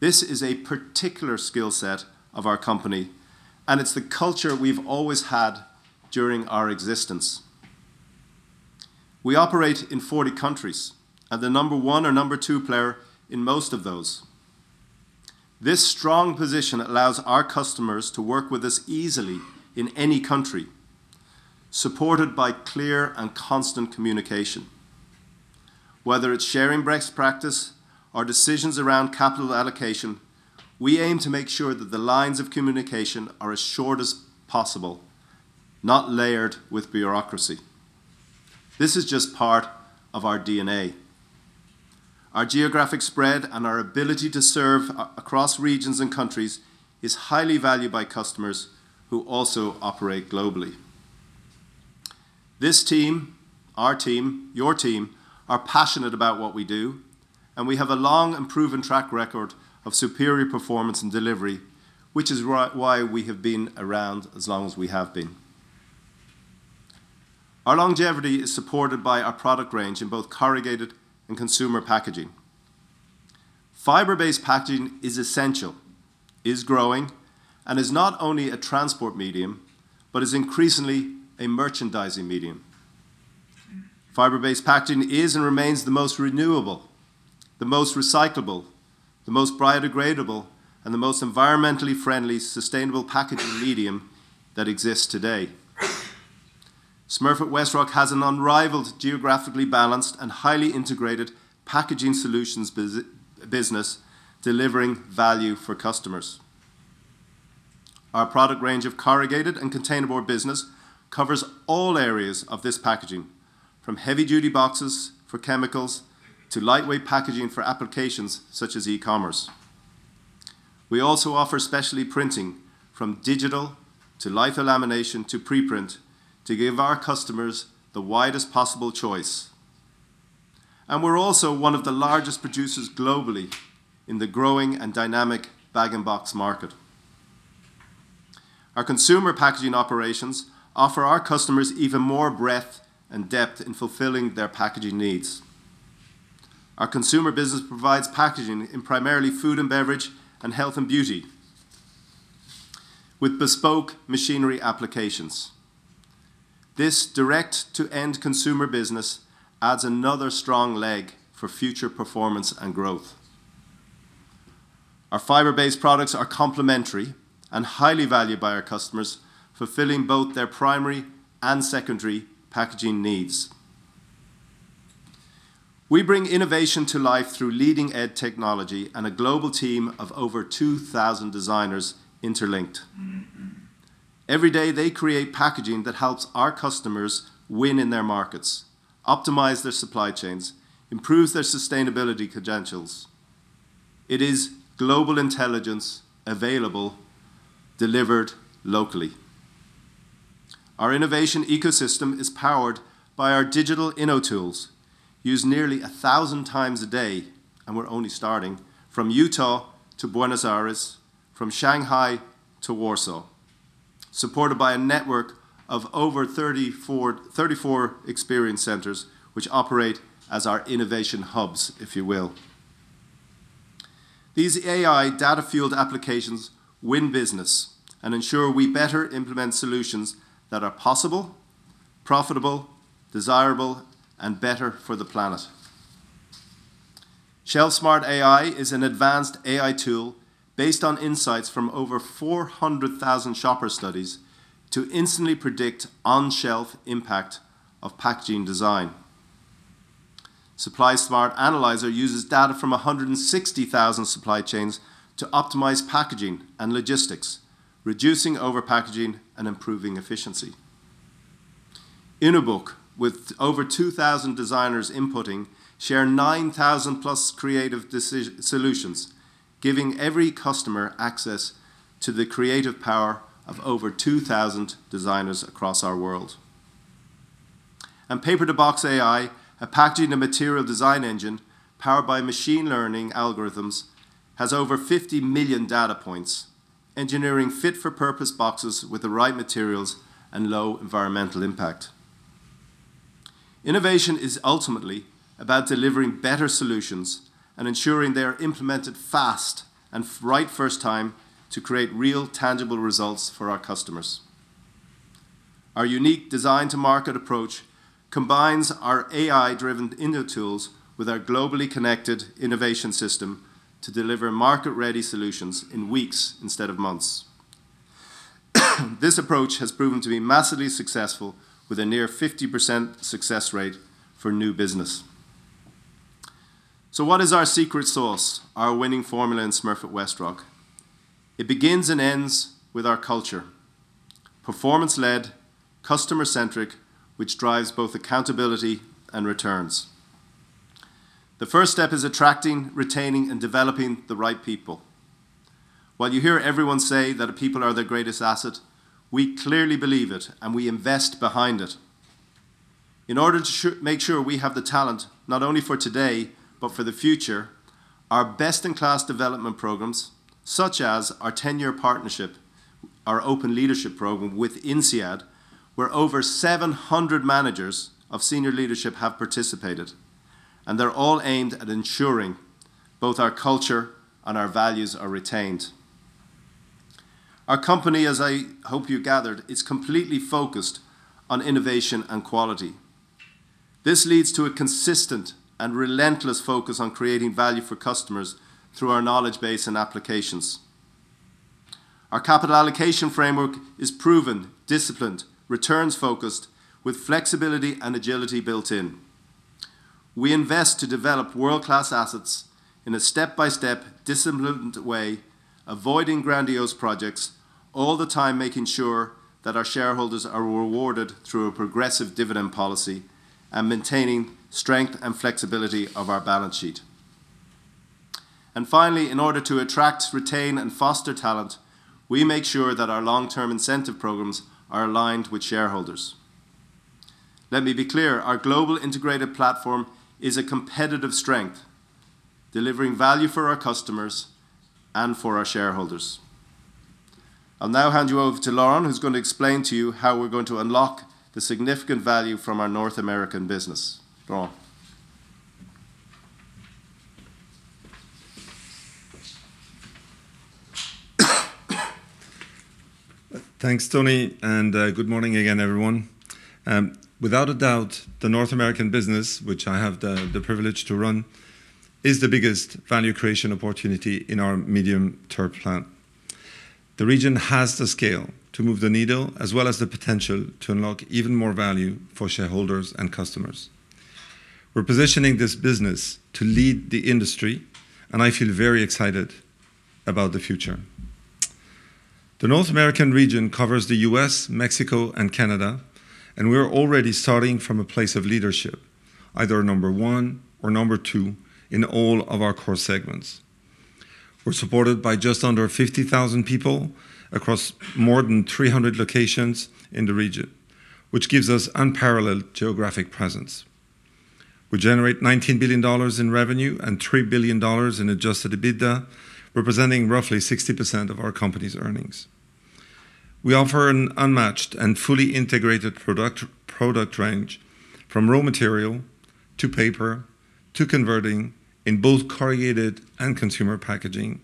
This is a particular skill set of our company, and it's the culture we've always had during our existence.... We operate in 40 countries, and the number one or number two player in most of those. This strong position allows our customers to work with us easily in any country, supported by clear and constant communication. Whether it's sharing best practice or decisions around capital allocation, we aim to make sure that the lines of communication are as short as possible, not layered with bureaucracy. This is just part of our DNA. Our geographic spread and our ability to serve across regions and countries is highly valued by customers who also operate globally. This team, our team, your team, are passionate about what we do, and we have a long and proven track record of superior performance and delivery, which is why we have been around as long as we have been. Our longevity is supported by our product range in both corrugated and consumer packaging. Fiber-based packaging is essential, is growing, and is not only a transport medium, but is increasingly a merchandising medium. Fiber-based packaging is and remains the most renewable, the most recyclable, the most biodegradable, and the most environmentally friendly, sustainable packaging medium that exists today. Smurfit Westrock has an unrivaled, geographically balanced, and highly integrated packaging solutions business, delivering value for customers. Our product range of corrugated and containerboard business covers all areas of this packaging, from heavy-duty boxes for chemicals to lightweight packaging for applications such as e-commerce. We also offer specialty printing, from digital to litho lamination to pre-print, to give our customers the widest possible choice. And we're also one of the largest producers globally in the growing and dynamic bag and box market. Our consumer packaging operations offer our customers even more breadth and depth in fulfilling their packaging needs. Our consumer business provides packaging in primarily food and beverage, and health and beauty, with bespoke machinery applications. This direct-to-end consumer business adds another strong leg for future performance and growth. Our fiber-based products are complementary and highly valued by our customers, fulfilling both their primary and secondary packaging needs. We bring innovation to life through leading-edge technology and a global team of over 2,000 designers interlinked. Every day, they create packaging that helps our customers win in their markets, optimize their supply chains, improves their sustainability credentials. It is global intelligence available, delivered locally. Our innovation ecosystem is powered by our digital InnoTools, used nearly 1,000 times a day, and we're only starting, from Utah to Buenos Aires, from Shanghai to Warsaw, supported by a network of over 34, 34 experience centers, which operate as our innovation hubs, if you will. These AI data-fueled applications win business and ensure we better implement solutions that are possible, profitable, desirable, and better for the planet. ShelfSmart AI is an advanced AI tool based on insights from over 400,000 shopper studies to instantly predict on-shelf impact of packaging design. SupplySmart Analyzer uses data from 160,000 supply chains to optimize packaging and logistics, reducing over-packaging and improving efficiency. Innobook, with over 2,000 designers inputting, share 9,000+ creative solutions, giving every customer access to the creative power of over 2,000 designers across our world. And Paper to Box AI, a packaging and material design engine powered by machine learning algorithms, has over 50 million data points, engineering fit-for-purpose boxes with the right materials and low environmental impact. Innovation is ultimately about delivering better solutions and ensuring they are implemented fast and right first time to create real, tangible results for our customers. Our unique design-to-market approach combines our AI-driven InnoTools with our globally connected innovation system to deliver market-ready solutions in weeks instead of months. This approach has proven to be massively successful, with a near 50% success rate for new business. So what is our secret sauce, our winning formula in Smurfit Westrock? It begins and ends with our culture: performance-led, customer-centric, which drives both accountability and returns. The first step is attracting, retaining, and developing the right people. While you hear everyone say that people are their greatest asset, we clearly believe it, and we invest behind it. In order to make sure we have the talent, not only for today, but for the future, our best-in-class development programs, such as our ten-year partnership, our open leadership program with INSEAD, where over 700 managers of senior leadership have participated, and they're all aimed at ensuring both our culture and our values are retained. Our company, as I hope you gathered, is completely focused on innovation and quality. This leads to a consistent and relentless focus on creating value for customers through our knowledge base and applications. Our capital allocation framework is proven, disciplined, returns-focused, with flexibility and agility built in. We invest to develop world-class assets in a step-by-step, disciplined way, avoiding grandiose projects, all the time making sure that our shareholders are rewarded through a progressive dividend policy and maintaining strength and flexibility of our balance sheet. Finally, in order to attract, retain, and foster talent, we make sure that our long-term incentive programs are aligned with shareholders. Let me be clear, our global integrated platform is a competitive strength, delivering value for our customers and for our shareholders. I'll now hand you over to Laurent, who's going to explain to you how we're going to unlock the significant value from our North American business. Laurent? Thanks, Tony, and good morning again, everyone. Without a doubt, the North American business, which I have the privilege to run, is the biggest value creation opportunity in our medium-term plan. The region has the scale to move the needle, as well as the potential to unlock even more value for shareholders and customers. We're positioning this business to lead the industry, and I feel very excited about the future. The North American region covers the U.S., Mexico, and Canada, and we're already starting from a place of leadership, either number one or number two in all of our core segments. We're supported by just under 50,000 people across more than 300 locations in the region, which gives us unparalleled geographic presence. We generate $19 billion in revenue and $3 billion in Adjusted EBITDA, representing roughly 60% of our company's earnings. We offer an unmatched and fully integrated product, product range, from raw material to paper to converting in both corrugated and consumer packaging,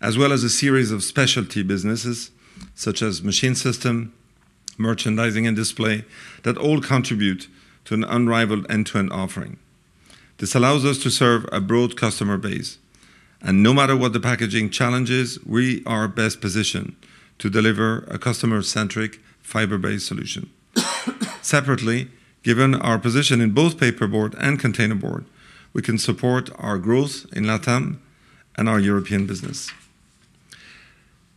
as well as a series of specialty businesses, such as Machine Systems, merchandising, and display, that all contribute to an unrivaled end-to-end offering. This allows us to serve a broad customer base, and no matter what the packaging challenge is, we are best positioned to deliver a customer-centric, fiber-based solution. Separately, given our position in both paperboard and containerboard, we can support our growth in LATAM and our European business.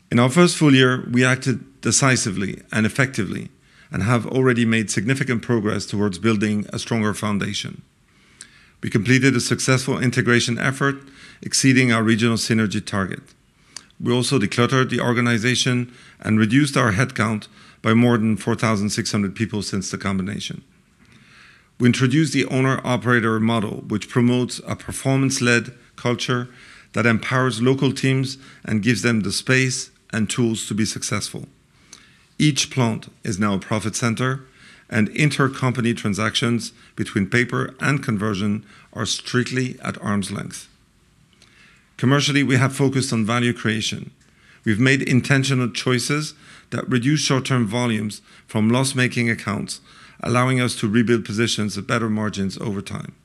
In our first full year, we acted decisively and effectively, and have already made significant progress towards building a stronger foundation. We completed a successful integration effort, exceeding our regional synergy target. We also decluttered the organization and reduced our headcount by more than 4,600 people since the combination. We introduced the Owner-Operator Model, which promotes a performance-led culture that empowers local teams and gives them the space and tools to be successful. Each plant is now a profit center, and intercompany transactions between paper and conversion are strictly at arm's length. Commercially, we have focused on value creation. We've made intentional choices that reduce short-term volumes from loss-making accounts, allowing us to rebuild positions at better margins over time.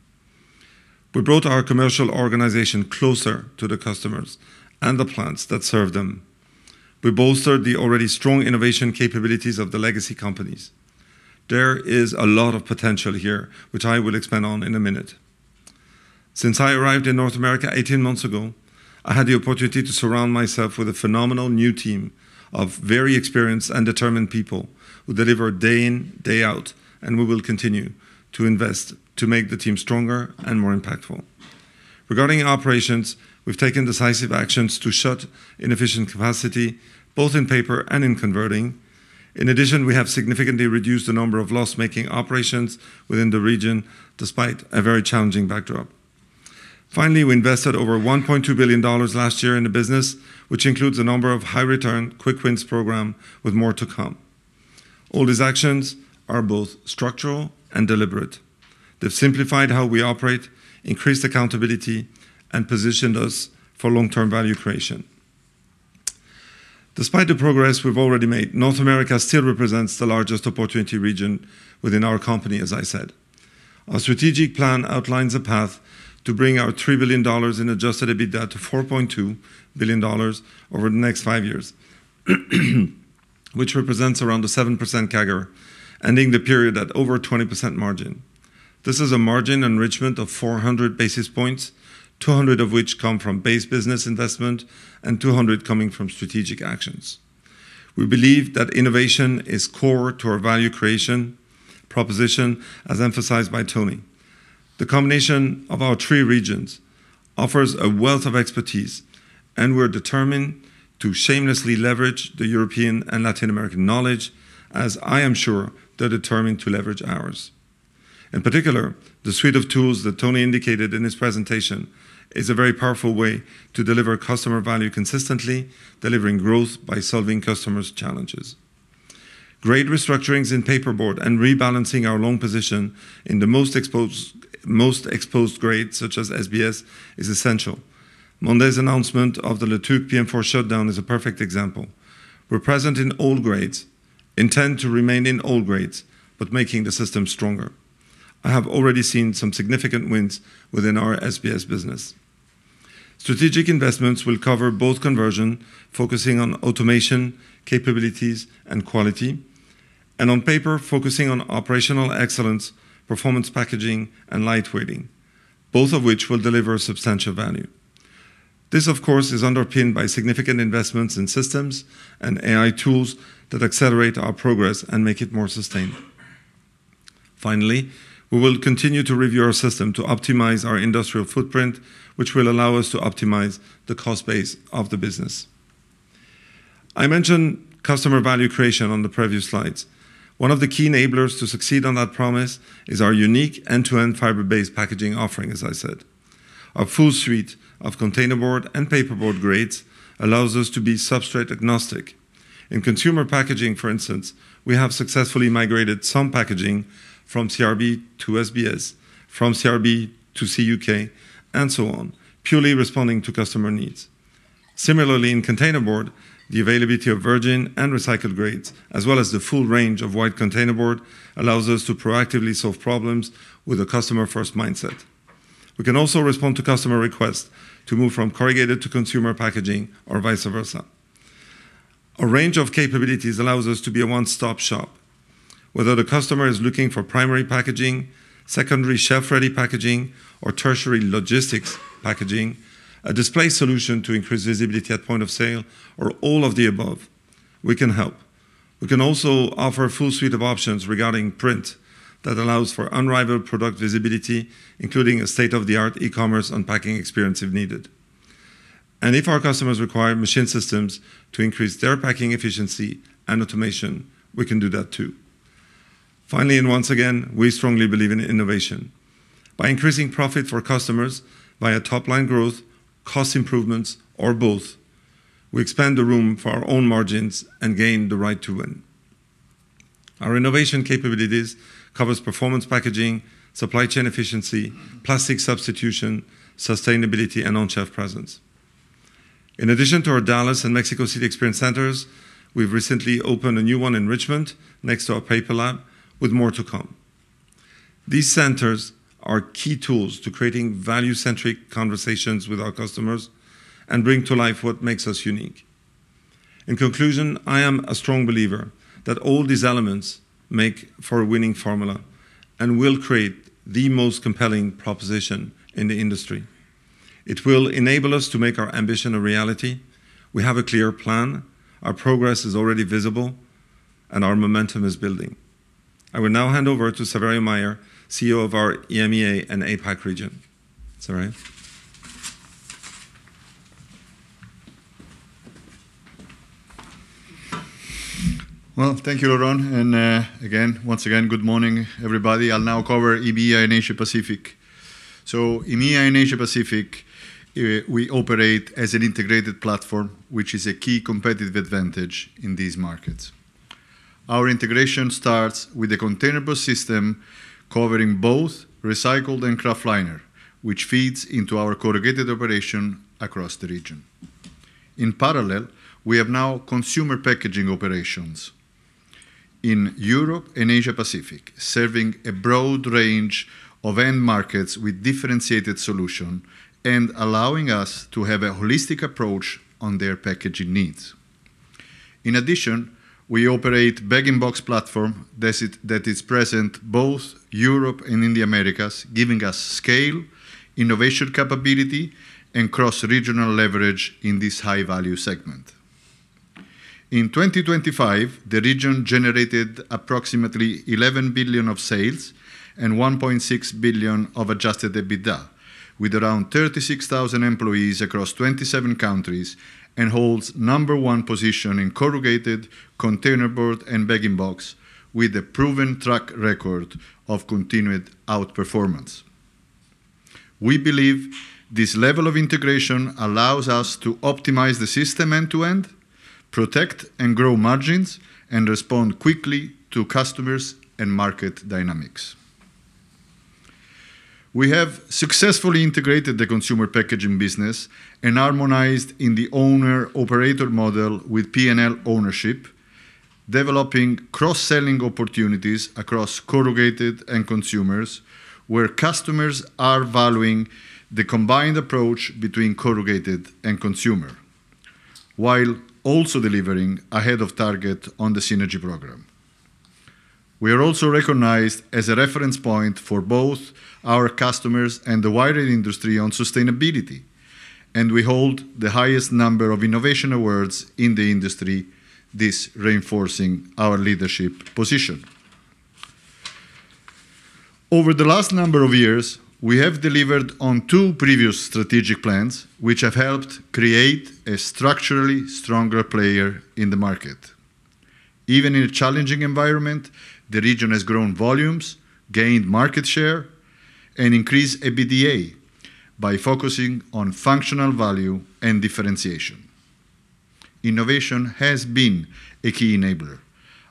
We brought our commercial organization closer to the customers and the plants that serve them. We bolstered the already strong innovation capabilities of the legacy companies. There is a lot of potential here, which I will expand on in a minute. Since I arrived in North America 18 months ago, I had the opportunity to surround myself with a phenomenal new team of very experienced and determined people who deliver day in, day out, and we will continue to invest to make the team stronger and more impactful. Regarding operations, we've taken decisive actions to shut inefficient capacity, both in paper and in converting. In addition, we have significantly reduced the number of loss-making operations within the region, despite a very challenging backdrop. Finally, we invested over $1.2 billion last year in the business, which includes a number of high-return, quick wins program, with more to come. All these actions are both structural and deliberate. They've simplified how we operate, increased accountability, and positioned us for long-term value creation. Despite the progress we've already made, North America still represents the largest opportunity region within our company, as I said. Our strategic plan outlines a path to bring our $3 billion in adjusted EBITDA to $4.2 billion over the next five years, which represents around a 7% CAGR, ending the period at over 20% margin. This is a margin enrichment of 400 basis points, 200 of which come from base business investment and 200 coming from strategic actions. We believe that innovation is core to our value creation proposition, as emphasized by Tony. The combination of our three regions offers a wealth of expertise, and we're determined to shamelessly leverage the European and Latin American knowledge, as I am sure they're determined to leverage ours. In particular, the suite of tools that Tony indicated in his presentation is a very powerful way to deliver customer value consistently, delivering growth by solving customers' challenges... Great restructurings in paperboard and rebalancing our long position in the most exposed, most exposed grades, such as SBS, is essential. Monday's announcement of the La Tuque PM4 shutdown is a perfect example. We're present in all grades, intend to remain in all grades, but making the system stronger. I have already seen some significant wins within our SBS business. Strategic investments will cover both conversion, focusing on automation, capabilities, and quality, and on paper, focusing on operational excellence, performance packaging, and lightweighting, both of which will deliver substantial value. This, of course, is underpinned by significant investments in systems and AI tools that accelerate our progress and make it more sustainable. Finally, we will continue to review our system to optimize our industrial footprint, which will allow us to optimize the cost base of the business. I mentioned customer value creation on the previous slides. One of the key enablers to succeed on that promise is our unique end-to-end fiber-based packaging offering, as I said. Our full suite of containerboard and paperboard grades allows us to be substrate-agnostic. In consumer packaging, for instance, we have successfully migrated some packaging from CRB to SBS, from CRB to CUK, and so on, purely responding to customer needs. Similarly, in containerboard, the availability of virgin and recycled grades, as well as the full range of white containerboard, allows us to proactively solve problems with a customer-first mindset. We can also respond to customer requests to move from corrugated to consumer packaging or vice versa. A range of capabilities allows us to be a one-stop shop. Whether the customer is looking for primary packaging, secondary shelf-ready packaging, or tertiary logistics packaging, a display solution to increase visibility at point of sale or all of the above, we can help. We can also offer a full suite of options regarding print that allows for unrivaled product visibility, including a state-of-the-art e-commerce unpacking experience if needed. If our customers require Machine Systems to increase their packing efficiency and automation, we can do that too. Finally, and once again, we strongly believe in innovation. By increasing profit for customers via top-line growth, cost improvements, or both, we expand the room for our own margins and gain the right to win. Our innovation capabilities covers performance packaging, supply chain efficiency, plastic substitution, sustainability, and on-shelf presence. In addition to our Dallas and Mexico City experience centers, we've recently opened a new one in Richmond next to our paper lab, with more to come. These centers are key tools to creating value-centric conversations with our customers and bring to life what makes us unique. In conclusion, I am a strong believer that all these elements make for a winning formula and will create the most compelling proposition in the industry. It will enable us to make our ambition a reality. We have a clear plan, our progress is already visible, and our momentum is building. I will now hand over to Saverio Mayer, CEO of our EMEA and APAC region. Saverio? Well, thank you, Laurent, and again, once again, good morning, everybody. I'll now cover EMEA and Asia Pacific. In EMEA and Asia Pacific, we operate as an integrated platform, which is a key competitive advantage in these markets. Our integration starts with a containerboard system covering both recycled and kraftliner, which feeds into our corrugated operation across the region. In parallel, we have now consumer packaging operations in Europe and Asia Pacific, serving a broad range of end markets with differentiated solution and allowing us to have a holistic approach on their packaging needs. In addition, we operate bag-in-box platform that is present both Europe and in the Americas, giving us scale, innovation capability, and cross-regional leverage in this high-value segment. In 2025, the region generated approximately $11 billion of sales and $1.6 billion of Adjusted EBITDA, with around 36,000 employees across 27 countries, and holds number one position in corrugated, containerboard, and Bag-in-Box, with a proven track record of continued outperformance. We believe this level of integration allows us to optimize the system end-to-end, protect and grow margins, and respond quickly to customers and market dynamics. We have successfully integrated the consumer packaging business and harmonized in the Owner-Operator Model with P&L ownership, developing cross-selling opportunities across corrugated and consumers, where customers are valuing the combined approach between corrugated and consumer, while also delivering ahead of target on the synergy program. We are also recognized as a reference point for both our customers and the wider industry on sustainability, and we hold the highest number of innovation awards in the industry, this reinforcing our leadership position. Over the last number of years, we have delivered on two previous strategic plans, which have helped create a structurally stronger player in the market. Even in a challenging environment, the region has grown volumes, gained market share, and increased EBITDA by focusing on functional value and differentiation. Innovation has been a key enabler.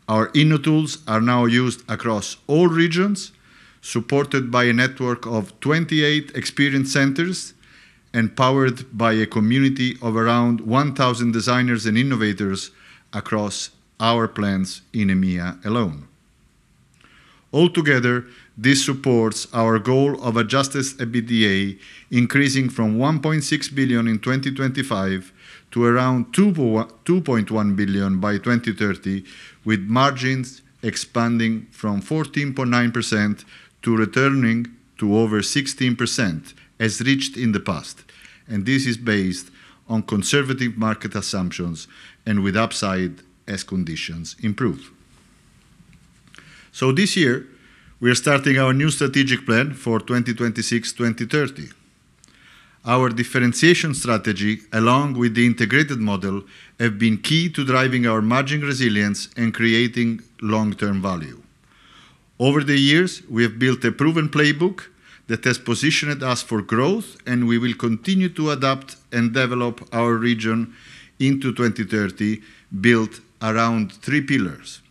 Our InnoTools are now used across all regions, supported by a network of 28 experience centers and powered by a community of around 1,000 designers and innovators across our plants in EMEA alone. Altogether, this supports our goal of adjusted EBITDA, increasing from $1.6 billion in 2025 to around $2.21 billion by 2030, with margins expanding from 14.9% to returning to over 16%, as reached in the past. And this is based on conservative market assumptions and with upside as conditions improve. So this year, we are starting our new strategic plan for 2026-2030. Our differentiation strategy, along with the integrated model, have been key to driving our margin resilience and creating long-term value. Over the years, we have built a proven playbook that has positioned us for growth, and we will continue to adapt and develop our region into 2030, built around three pillars: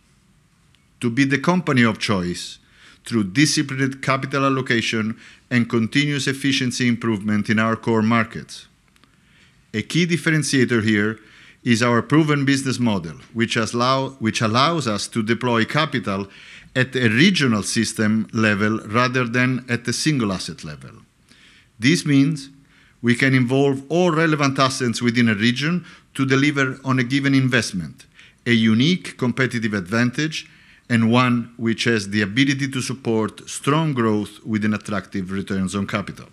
To be the company of choice through disciplined capital allocation and continuous efficiency improvement in our core markets. A key differentiator here is our proven business model, which allows us to deploy capital at a regional system level rather than at the single asset level. This means we can involve all relevant assets within a region to deliver on a given investment, a unique competitive advantage, and one which has the ability to support strong growth with an attractive returns on capital.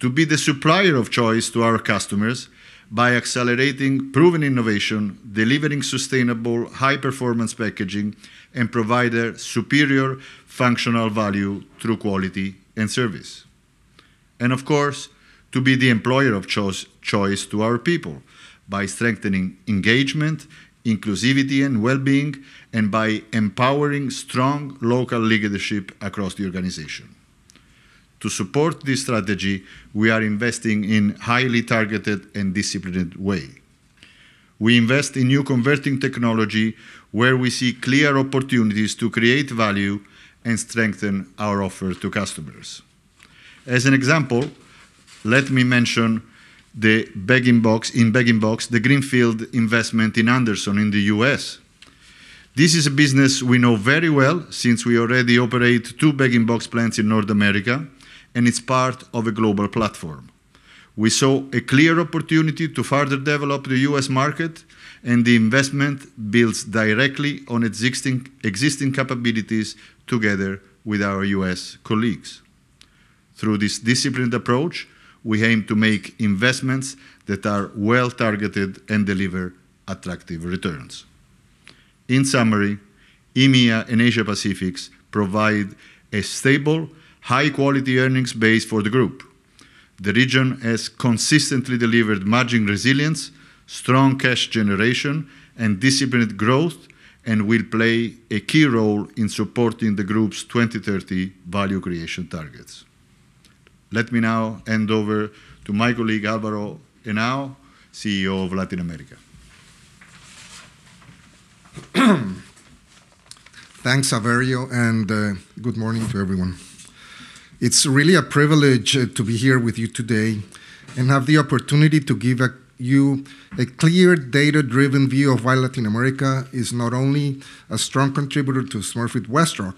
To be the supplier of choice to our customers by accelerating proven innovation, delivering sustainable, high-performance packaging, and provide a superior functional value through quality and service. And of course, to be the employer of choice, choice to our people by strengthening engagement, inclusivity, and wellbeing, and by empowering strong local leadership across the organization. To support this strategy, we are investing in highly targeted and disciplined way. We invest in new converting technology, where we see clear opportunities to create value and strengthen our offer to customers. As an example, let me mention the Bag-in-Box, in Bag-in-Box, the greenfield investment in Anderson in the U.S. This is a business we know very well since we already operate two bag-in-box plants in North America, and it's part of a global platform. We saw a clear opportunity to further develop the U.S. market, and the investment builds directly on existing capabilities together with our U.S. colleagues. Through this disciplined approach, we aim to make investments that are well-targeted and deliver attractive returns. In summary, EMEA and Asia-Pacific provide a stable, high-quality earnings base for the group. The region has consistently delivered margin resilience, strong cash generation, and disciplined growth, and will play a key role in supporting the group's 2030 value creation targets. Let me now hand over to my colleague, Alvaro Henao, CEO of Latin America. Thanks, Saverio, and good morning to everyone. It's really a privilege to be here with you today and have the opportunity to give you a clear, data-driven view of why Latin America is not only a strong contributor to Smurfit Westrock,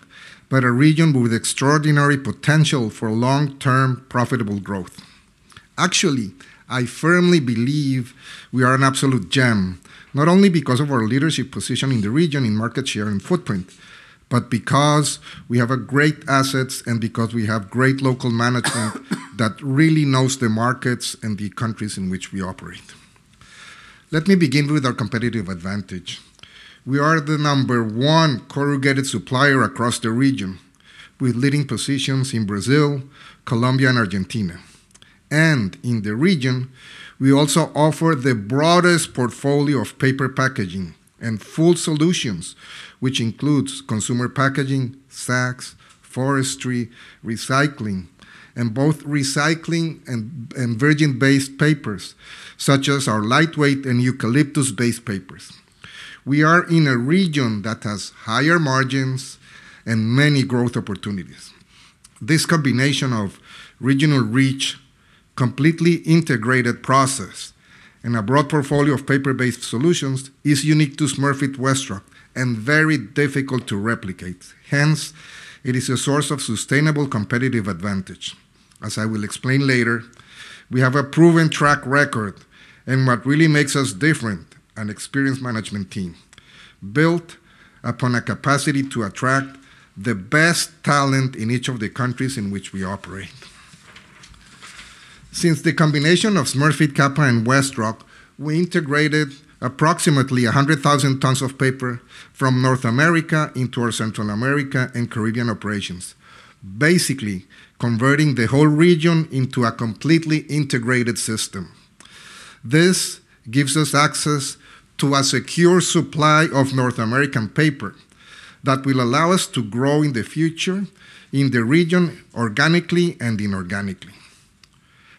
but a region with extraordinary potential for long-term, profitable growth. Actually, I firmly believe we are an absolute gem, not only because of our leadership position in the region, in market share and footprint, but because we have a great assets and because we have great local management that really knows the markets and the countries in which we operate. Let me begin with our competitive advantage. We are the number one corrugated supplier across the region, with leading positions in Brazil, Colombia, and Argentina. In the region, we also offer the broadest portfolio of paper packaging and full solutions, which includes consumer packaging, sacks, forestry, recycling, and both recycling and virgin-based papers, such as our lightweight and eucalyptus-based papers. We are in a region that has higher margins and many growth opportunities. This combination of regional reach, completely integrated process, and a broad portfolio of paper-based solutions is unique to Smurfit Westrock and very difficult to replicate. Hence, it is a source of sustainable competitive advantage. As I will explain later, we have a proven track record and what really makes us different, an experienced management team, built upon a capacity to attract the best talent in each of the countries in which we operate. Since the combination of Smurfit Kappa and WestRock, we integrated approximately 100,000 tons of paper from North America into our Central America and Caribbean operations, basically converting the whole region into a completely integrated system. This gives us access to a secure supply of North American paper that will allow us to grow in the future in the region, organically and inorganically.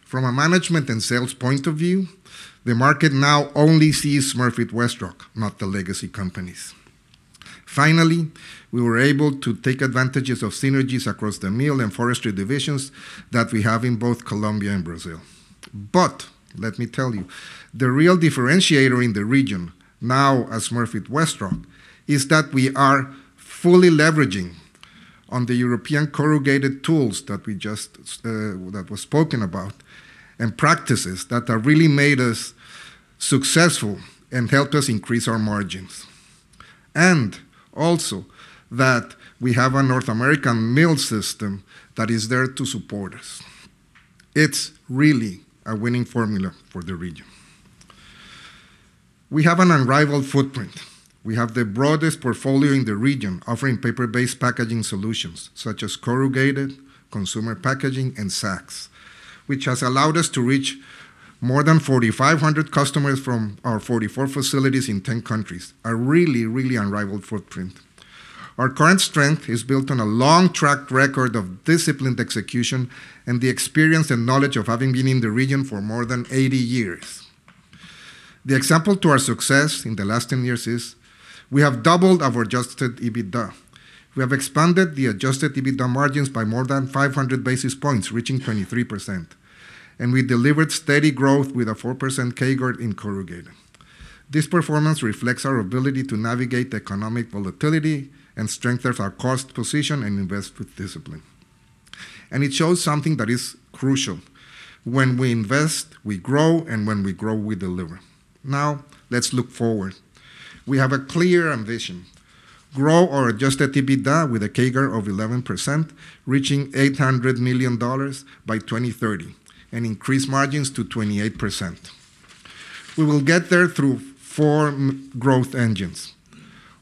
From a management and sales point of view, the market now only sees Smurfit Westrock, not the legacy companies. Finally, we were able to take advantages of synergies across the mill and forestry divisions that we have in both Colombia and Brazil. But let me tell you, the real differentiator in the region, now as Smurfit Westrock, is that we are fully leveraging on the European corrugated tools that we just, that was spoken about, and practices that have really made us successful and helped us increase our margins. And also, that we have a North American mill system that is there to support us. It's really a winning formula for the region. We have an unrivaled footprint. We have the broadest portfolio in the region, offering paper-based packaging solutions such as corrugated, consumer packaging, and sacks, which has allowed us to reach more than 4,500 customers from our 44 facilities in 10 countries. A really, really unrivaled footprint. Our current strength is built on a long track record of disciplined execution and the experience and knowledge of having been in the region for more than 80 years. The example to our success in the last 10 years is, we have doubled our Adjusted EBITDA. We have expanded the Adjusted EBITDA margins by more than 500 basis points, reaching 23%, and we delivered steady growth with a 4% CAGR in corrugated. This performance reflects our ability to navigate economic volatility and strengthen our cost position and invest with discipline. It shows something that is crucial: when we invest, we grow, and when we grow, we deliver. Now, let's look forward. We have a clear ambition: grow our Adjusted EBITDA with a CAGR of 11%, reaching $800 million by 2030, and increase margins to 28%. We will get there through four growth engines.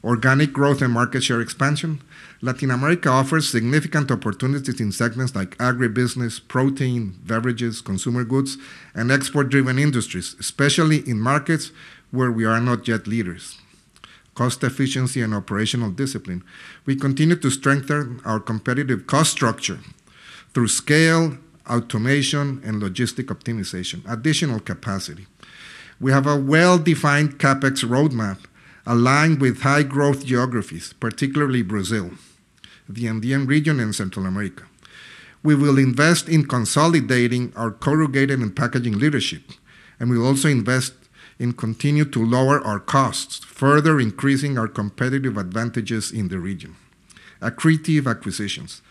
Organic growth and market share expansion. Latin America offers significant opportunities in segments like agribusiness, protein, beverages, consumer goods, and export-driven industries, especially in markets where we are not yet leaders. Cost efficiency and operational discipline. We continue to strengthen our competitive cost structure through scale, automation, and logistics optimization, additional capacity. We have a well-defined CapEx roadmap aligned with high-growth geographies, particularly Brazil, the Andean region, and Central America. We will invest in consolidating our corrugated and packaging leadership, and we will also invest and continue to lower our costs, further increasing our competitive advantages in the region. Accretive acquisitions.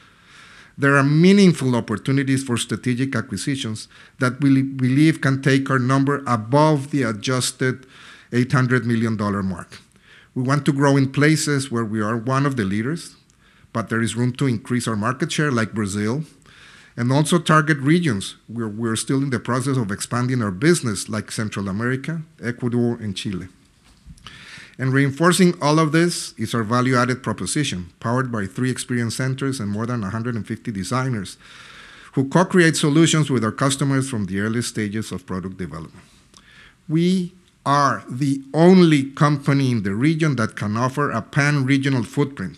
There are meaningful opportunities for strategic acquisitions that we believe can take our number above the adjusted $800 million mark. We want to grow in places where we are one of the leaders, but there is room to increase our market share, like Brazil, and also target regions where we're still in the process of expanding our business, like Central America, Ecuador, and Chile. Reinforcing all of this is our value-added proposition, powered by three experience centers and more than 150 designers, who co-create solutions with our customers from the earliest stages of product development. We are the only company in the region that can offer a pan-regional footprint,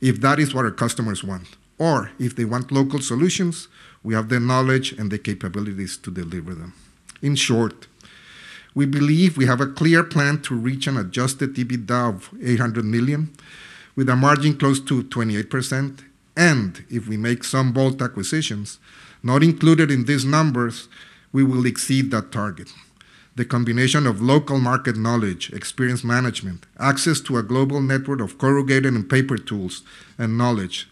if that is what our customers want, or if they want local solutions, we have the knowledge and the capabilities to deliver them. In short, we believe we have a clear plan to reach an Adjusted EBITDA of $800 million, with a margin close to 28%, and if we make some bold acquisitions not included in these numbers, we will exceed that target. The combination of local market knowledge, experienced management, access to a global network of corrugated and paper tools and knowledge,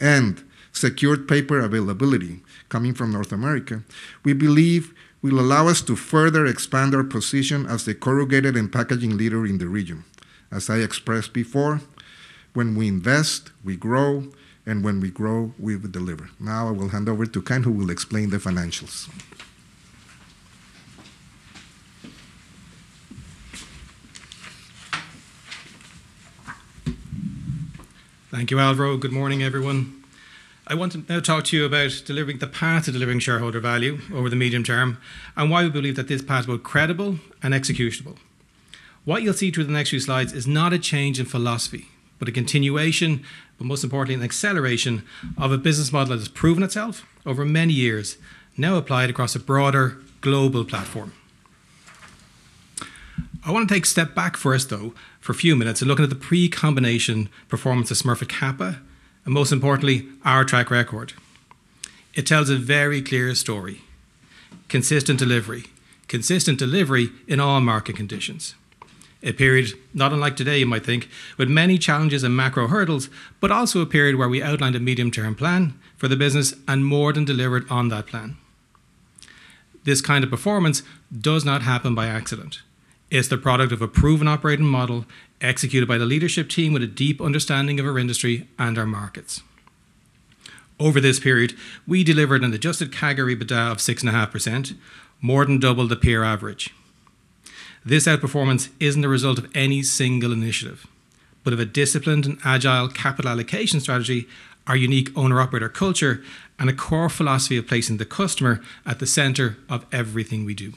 and secured paper availability coming from North America, we believe will allow us to further expand our position as the corrugated and packaging leader in the region. As I expressed before, when we invest, we grow, and when we grow, we deliver. Now, I will hand over to Ken, who will explain the financials. Thank you, Alvaro. Good morning, everyone. I want to now talk to you about delivering, the path to delivering shareholder value over the medium term, and why we believe that this path is both credible and executable. What you'll see through the next few slides is not a change in philosophy, but a continuation, but most importantly, an acceleration of a business model that has proven itself over many years, now applied across a broader global platform. I want to take a step back first, though, for a few minutes, and look at the pre-combination performance of Smurfit Kappa, and most importantly, our track record. It tells a very clear story: consistent delivery. Consistent delivery in all market conditions. A period, not unlike today, you might think, with many challenges and macro hurdles, but also a period where we outlined a medium-term plan for the business and more than delivered on that plan. This kind of performance does not happen by accident. It's the product of a proven operating model, executed by the leadership team with a deep understanding of our industry and our markets. Over this period, we delivered an adjusted EBITDA CAGR of 6.5%, more than double the peer average. This outperformance isn't the result of any single initiative, but of a disciplined and agile capital allocation strategy, our unique owner-operator culture, and a core philosophy of placing the customer at the center of everything we do.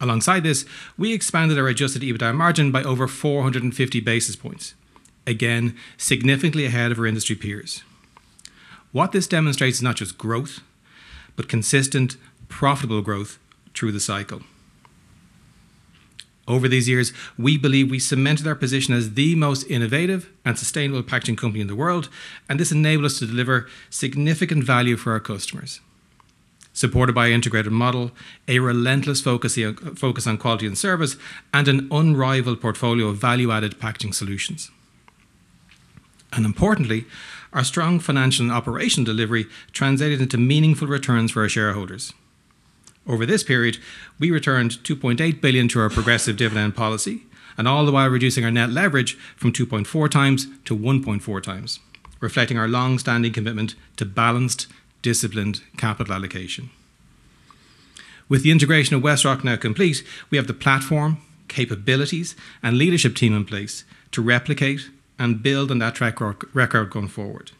Alongside this, we expanded our adjusted EBITDA margin by over 450 basis points. Again, significantly ahead of our industry peers. What this demonstrates is not just growth, but consistent, profitable growth through the cycle. Over these years, we believe we cemented our position as the most innovative and sustainable packaging company in the world, and this enabled us to deliver significant value for our customers. Supported by an integrated model, a relentless focus on quality and service, and an unrivaled portfolio of value-added packaging solutions. Importantly, our strong financial and operational delivery translated into meaningful returns for our shareholders. Over this period, we returned $2.8 billion to our progressive dividend policy, and all the while reducing our net leverage from 2.4x to 1.4x, reflecting our long-standing commitment to balanced, disciplined capital allocation. With the integration of WestRock now complete, we have the platform, capabilities, and leadership team in place to replicate and build on that track record, record going forward.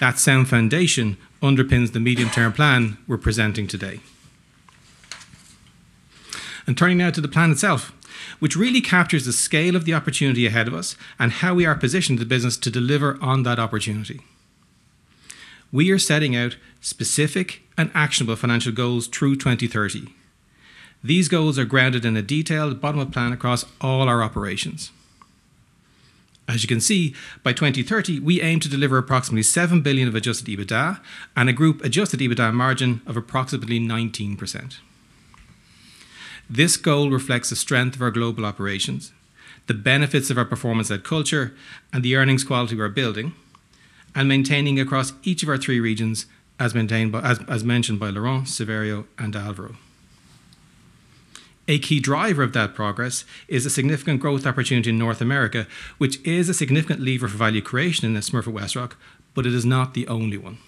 That sound foundation underpins the medium-term plan we're presenting today. Turning now to the plan itself, which really captures the scale of the opportunity ahead of us and how we are positioned the business to deliver on that opportunity. We are setting out specific and actionable financial goals through 2030. These goals are grounded in a detailed bottom-up plan across all our operations. As you can see, by 2030, we aim to deliver approximately $7 billion of Adjusted EBITDA and a group Adjusted EBITDA margin of approximately 19%. This goal reflects the strength of our global operations, the benefits of our performance and culture, and the earnings quality we're building, and maintaining across each of our three regions, as mentioned by Laurent, Saverio, and Alvaro. A key driver of that progress is a significant growth opportunity in North America, which is a significant lever for value creation in the Smurfit Westrock, but it is not the only one.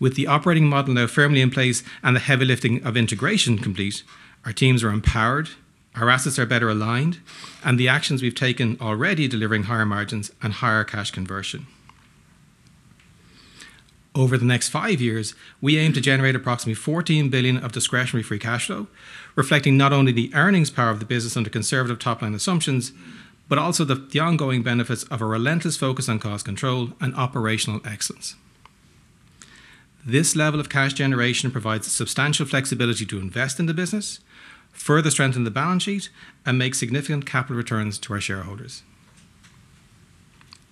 With the operating model now firmly in place and the heavy lifting of integration complete, our teams are empowered, our assets are better aligned, and the actions we've taken already delivering higher margins and higher cash conversion. Over the next five years, we aim to generate approximately $14 billion of discretionary free cash flow, reflecting not only the earnings power of the business under conservative top-line assumptions, but also the ongoing benefits of a relentless focus on cost control and operational excellence. This level of cash generation provides substantial flexibility to invest in the business, further strengthen the balance sheet, and make significant capital returns to our shareholders.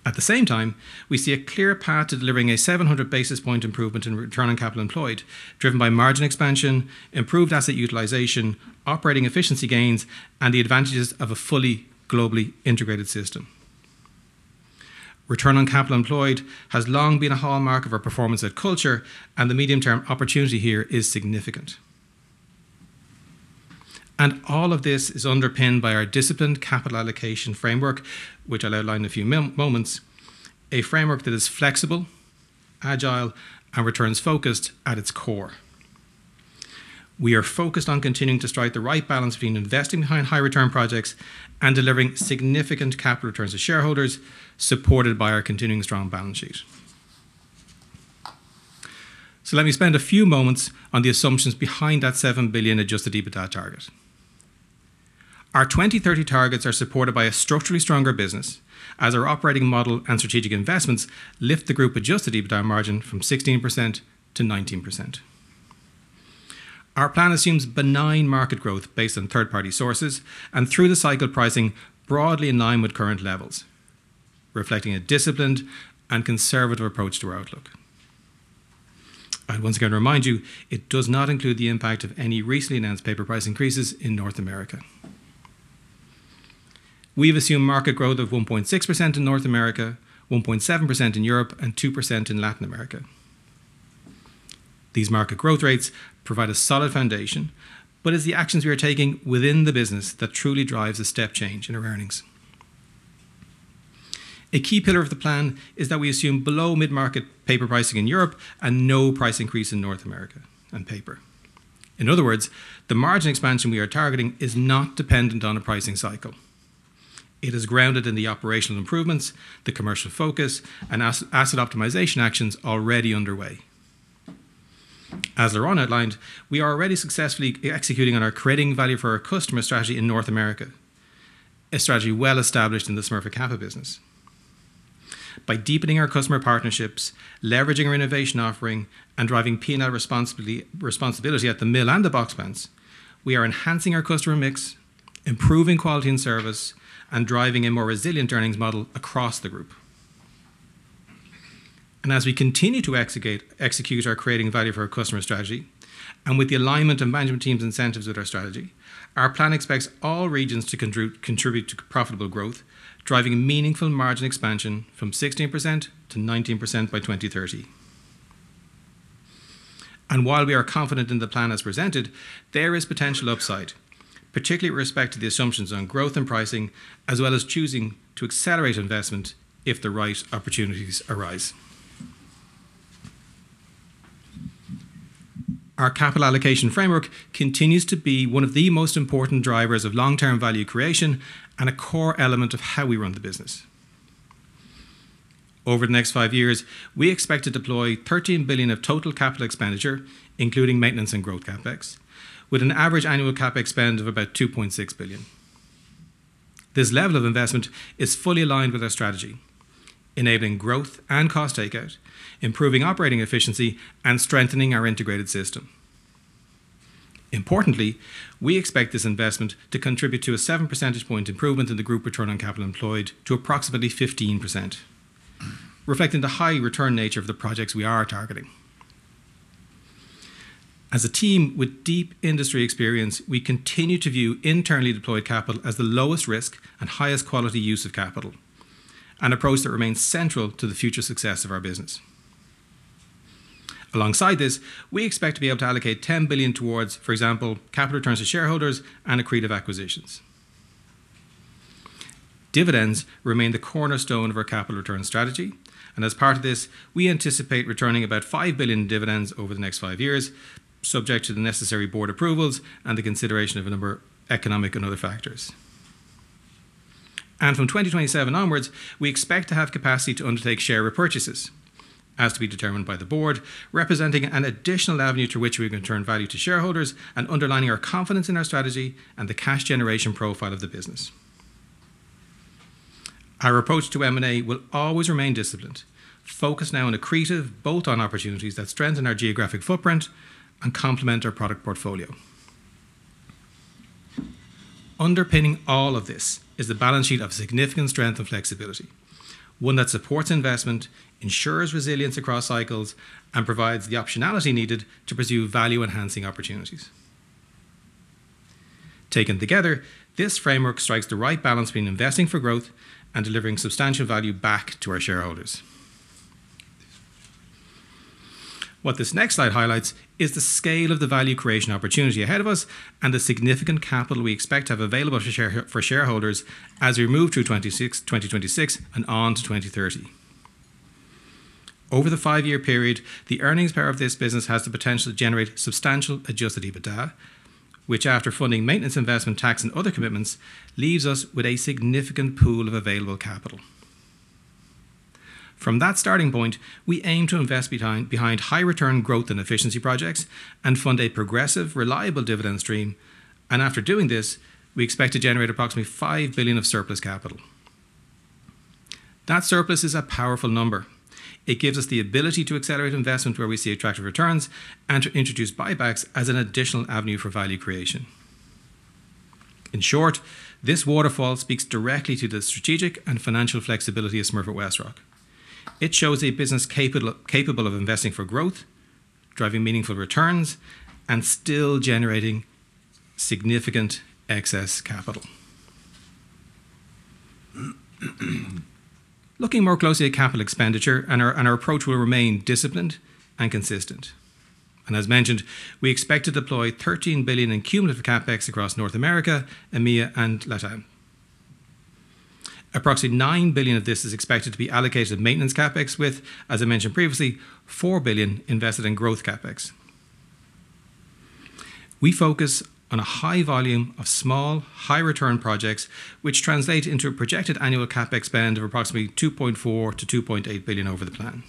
At the same time, we see a clear path to delivering a 700 basis point improvement in Return on Capital Employed, driven by margin expansion, improved asset utilization, operating efficiency gains, and the advantages of a fully globally integrated system. Return on Capital Employed has long been a hallmark of our performance and culture, and the medium-term opportunity here is significant. All of this is underpinned by our disciplined capital allocation framework, which I'll outline in a few moments, a framework that is flexible, agile, and returns-focused at its core. We are focused on continuing to strike the right balance between investing behind high return projects and delivering significant capital returns to shareholders, supported by our continuing strong balance sheet. So let me spend a few moments on the assumptions behind that $7 billion adjusted EBITDA target. Our 2030 targets are supported by a structurally stronger business, as our operating model and strategic investments lift the group adjusted EBITDA margin from 16% to 19%. Our plan assumes benign market growth based on third-party sources, and through the cycle pricing, broadly in line with current levels, reflecting a disciplined and conservative approach to our outlook. I'd once again remind you, it does not include the impact of any recently announced paper price increases in North America. We've assumed market growth of 1.6% in North America, 1.7% in Europe, and 2% in Latin America. These market growth rates provide a solid foundation, but it's the actions we are taking within the business that truly drives a step change in our earnings. A key pillar of the plan is that we assume below mid-market paper pricing in Europe and no price increase in North America on paper. In other words, the margin expansion we are targeting is not dependent on a pricing cycle. It is grounded in the operational improvements, the commercial focus, and asset optimization actions already underway. As Laurent outlined, we are already successfully executing on our creating value for our customer strategy in North America, a strategy well established in the Smurfit Kappa business. By deepening our customer partnerships, leveraging our innovation offering, and driving P&L responsibility at the mill and the box plants, we are enhancing our customer mix, improving quality and service, and driving a more resilient earnings model across the group. And as we continue to execute our creating value for our customer strategy, and with the alignment of management teams' incentives with our strategy, our plan expects all regions to contribute to profitable growth, driving meaningful margin expansion from 16% to 19% by 2030. While we are confident in the plan as presented, there is potential upside, particularly with respect to the assumptions on growth and pricing, as well as choosing to accelerate investment if the right opportunities arise. Our capital allocation framework continues to be one of the most important drivers of long-term value creation and a core element of how we run the business... Over the next five years, we expect to deploy $13 billion of total capital expenditure, including maintenance and growth CapEx, with an average annual CapEx spend of about $2.6 billion. This level of investment is fully aligned with our strategy, enabling growth and cost takeout, improving operating efficiency, and strengthening our integrated system. Importantly, we expect this investment to contribute to a 7 percentage point improvement in the group return on capital employed to approximately 15%, reflecting the high return nature of the projects we are targeting. As a team with deep industry experience, we continue to view internally deployed capital as the lowest risk and highest quality use of capital, an approach that remains central to the future success of our business. Alongside this, we expect to be able to allocate $10 billion towards, for example, capital returns to shareholders and accretive acquisitions. Dividends remain the cornerstone of our capital return strategy, and as part of this, we anticipate returning about $5 billion in dividends over the next 5 years, subject to the necessary board approvals and the consideration of a number of economic and other factors. From 2027 onwards, we expect to have capacity to undertake share repurchases, as to be determined by the board, representing an additional avenue to which we can return value to shareholders and underlining our confidence in our strategy and the cash generation profile of the business. Our approach to M&A will always remain disciplined, focused now on accretive, both on opportunities that strengthen our geographic footprint and complement our product portfolio. Underpinning all of this is the balance sheet of significant strength and flexibility, one that supports investment, ensures resilience across cycles, and provides the optionality needed to pursue value-enhancing opportunities. Taken together, this framework strikes the right balance between investing for growth and delivering substantial value back to our shareholders. What this next slide highlights is the scale of the value creation opportunity ahead of us and the significant capital we expect to have available to share for shareholders as we move through 2026 and on to 2030. Over the five-year period, the earnings power of this business has the potential to generate substantial Adjusted EBITDA, which, after funding maintenance, investment, tax, and other commitments, leaves us with a significant pool of available capital. From that starting point, we aim to invest behind, behind high return growth and efficiency projects and fund a progressive, reliable dividend stream. After doing this, we expect to generate approximately $5 billion of surplus capital. That surplus is a powerful number. It gives us the ability to accelerate investment where we see attractive returns and to introduce buybacks as an additional avenue for value creation. In short, this waterfall speaks directly to the strategic and financial flexibility of Smurfit Westrock. It shows a business capable, capable of investing for growth, driving meaningful returns, and still generating significant excess capital. Looking more closely at capital expenditure and our, and our approach will remain disciplined and consistent. And as mentioned, we expect to deploy $13 billion in cumulative CapEx across North America, EMEA, and LATAM. Approximately $9 billion of this is expected to be allocated to maintenance CapEx with, as I mentioned previously, $4 billion invested in growth CapEx. We focus on a high volume of small, high-return projects, which translate into a projected annual CapEx spend of approximately $2.4 billion-$2.8 billion over the plan.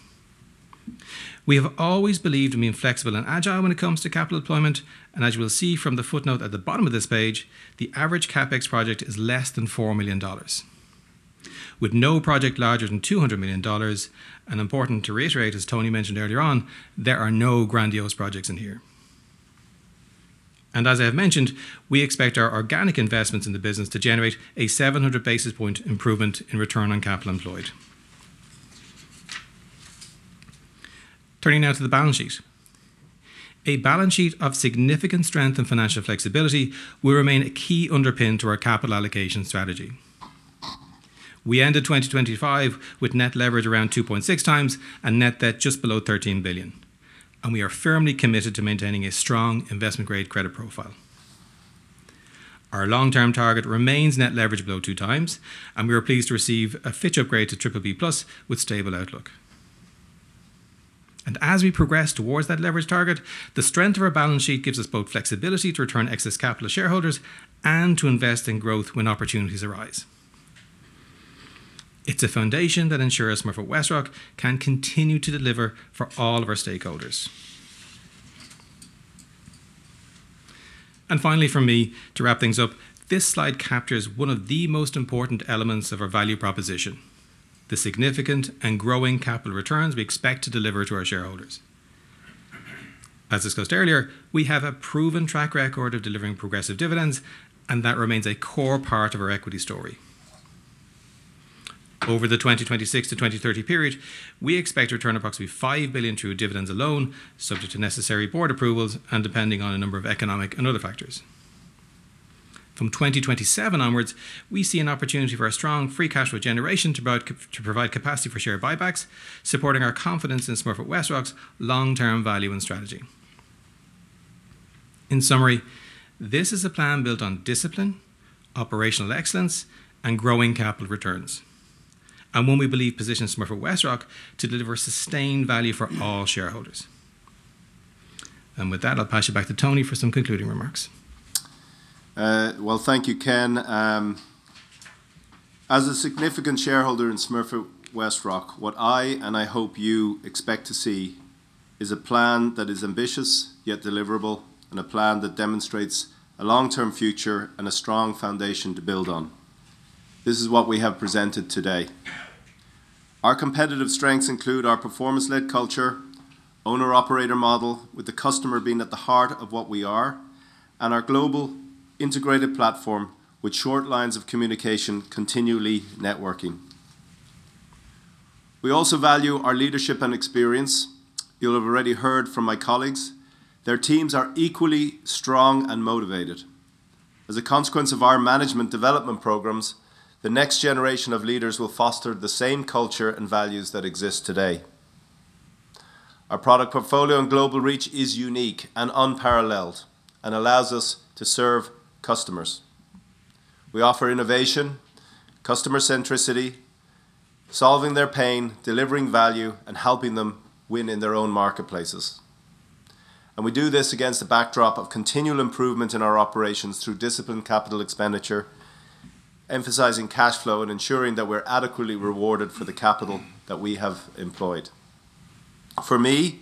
We have always believed in being flexible and agile when it comes to capital deployment, and as you will see from the footnote at the bottom of this page, the average CapEx project is less than $4 million, with no project larger than $200 million. Important to reiterate, as Tony mentioned earlier on, there are no grandiose projects in here. As I have mentioned, we expect our organic investments in the business to generate a 700 basis point improvement in return on capital employed. Turning now to the balance sheet. A balance sheet of significant strength and financial flexibility will remain a key underpin to our capital allocation strategy. We ended 2025 with net leverage around 2.6 times and net debt just below $13 billion, and we are firmly committed to maintaining a strong investment-grade credit profile. Our long-term target remains net leverage below 2x, and we are pleased to receive a Fitch upgrade to BBB+ with stable outlook. As we progress towards that leverage target, the strength of our balance sheet gives us both flexibility to return excess capital to shareholders and to invest in growth when opportunities arise. It's a foundation that ensures Smurfit Westrock can continue to deliver for all of our stakeholders. Finally, for me, to wrap things up, this slide captures one of the most important elements of our value proposition: the significant and growing capital returns we expect to deliver to our shareholders. As discussed earlier, we have a proven track record of delivering progressive dividends, and that remains a core part of our equity story. Over the 2026-2030 period, we expect to return approximately $5 billion through dividends alone, subject to necessary board approvals and depending on a number of economic and other factors. From 2027 onwards, we see an opportunity for a strong free cash flow generation to provide capacity for share buybacks, supporting our confidence in Smurfit Westrock's long-term value and strategy. In summary, this is a plan built on discipline, operational excellence, and growing capital returns, and one we believe positions Smurfit Westrock to deliver sustained value for all shareholders.... And with that, I'll pass you back to Tony for some concluding remarks. Well, thank you, Ken. As a significant shareholder in Smurfit Westrock, what I, and I hope you, expect to see is a plan that is ambitious yet deliverable, and a plan that demonstrates a long-term future and a strong foundation to build on. This is what we have presented today. Our competitive strengths include our performance-led culture, Owner-Operator Model, with the customer being at the heart of what we are, and our global integrated platform, with short lines of communication, continually networking. We also value our leadership and experience. You'll have already heard from my colleagues. Their teams are equally strong and motivated. As a consequence of our management development programs, the next generation of leaders will foster the same culture and values that exist today. Our product portfolio and global reach is unique and unparalleled and allows us to serve customers. We offer innovation, customer centricity, solving their pain, delivering value, and helping them win in their own marketplaces. We do this against the backdrop of continual improvement in our operations through disciplined capital expenditure, emphasizing cash flow, and ensuring that we're adequately rewarded for the capital that we have employed. For me,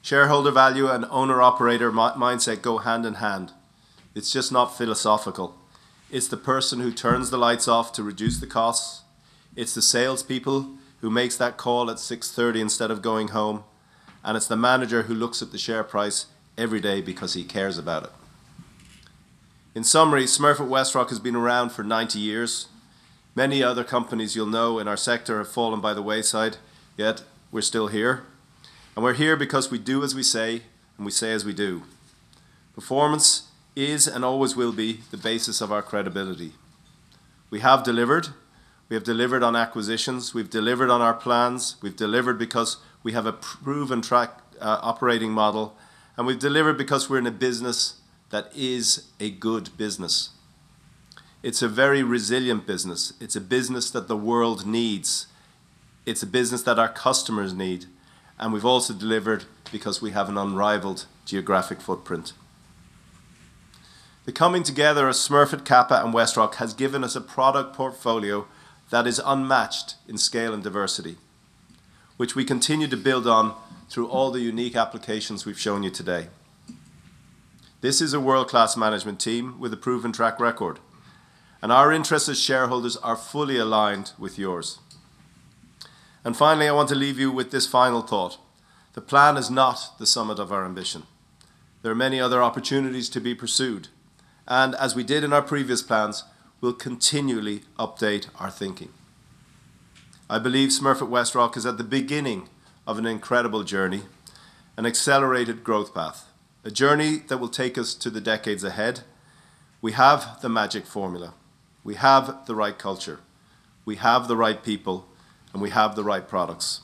shareholder value and owner-operator mindset go hand in hand. It's just not philosophical. It's the person who turns the lights off to reduce the costs. It's the salespeople who makes that call at 6:30 P.M. instead of going home, and it's the manager who looks at the share price every day because he cares about it. In summary, Smurfit Westrock has been around for 90 years. Many other companies you'll know in our sector have fallen by the wayside, yet we're still here, and we're here because we do as we say, and we say as we do. Performance is and always will be the basis of our credibility. We have delivered. We have delivered on acquisitions, we've delivered on our plans, we've delivered because we have a proven track operating model, and we've delivered because we're in a business that is a good business. It's a very resilient business. It's a business that the world needs. It's a business that our customers need, and we've also delivered because we have an unrivaled geographic footprint. The coming together of Smurfit Kappa and WestRock has given us a product portfolio that is unmatched in scale and diversity, which we continue to build on through all the unique applications we've shown you today. This is a world-class management team with a proven track record, and our interest as shareholders are fully aligned with yours. Finally, I want to leave you with this final thought: The plan is not the summit of our ambition. There are many other opportunities to be pursued, and as we did in our previous plans, we'll continually update our thinking. I believe Smurfit Westrock is at the beginning of an incredible journey, an accelerated growth path, a journey that will take us to the decades ahead. We have the magic formula, we have the right culture, we have the right people, and we have the right products.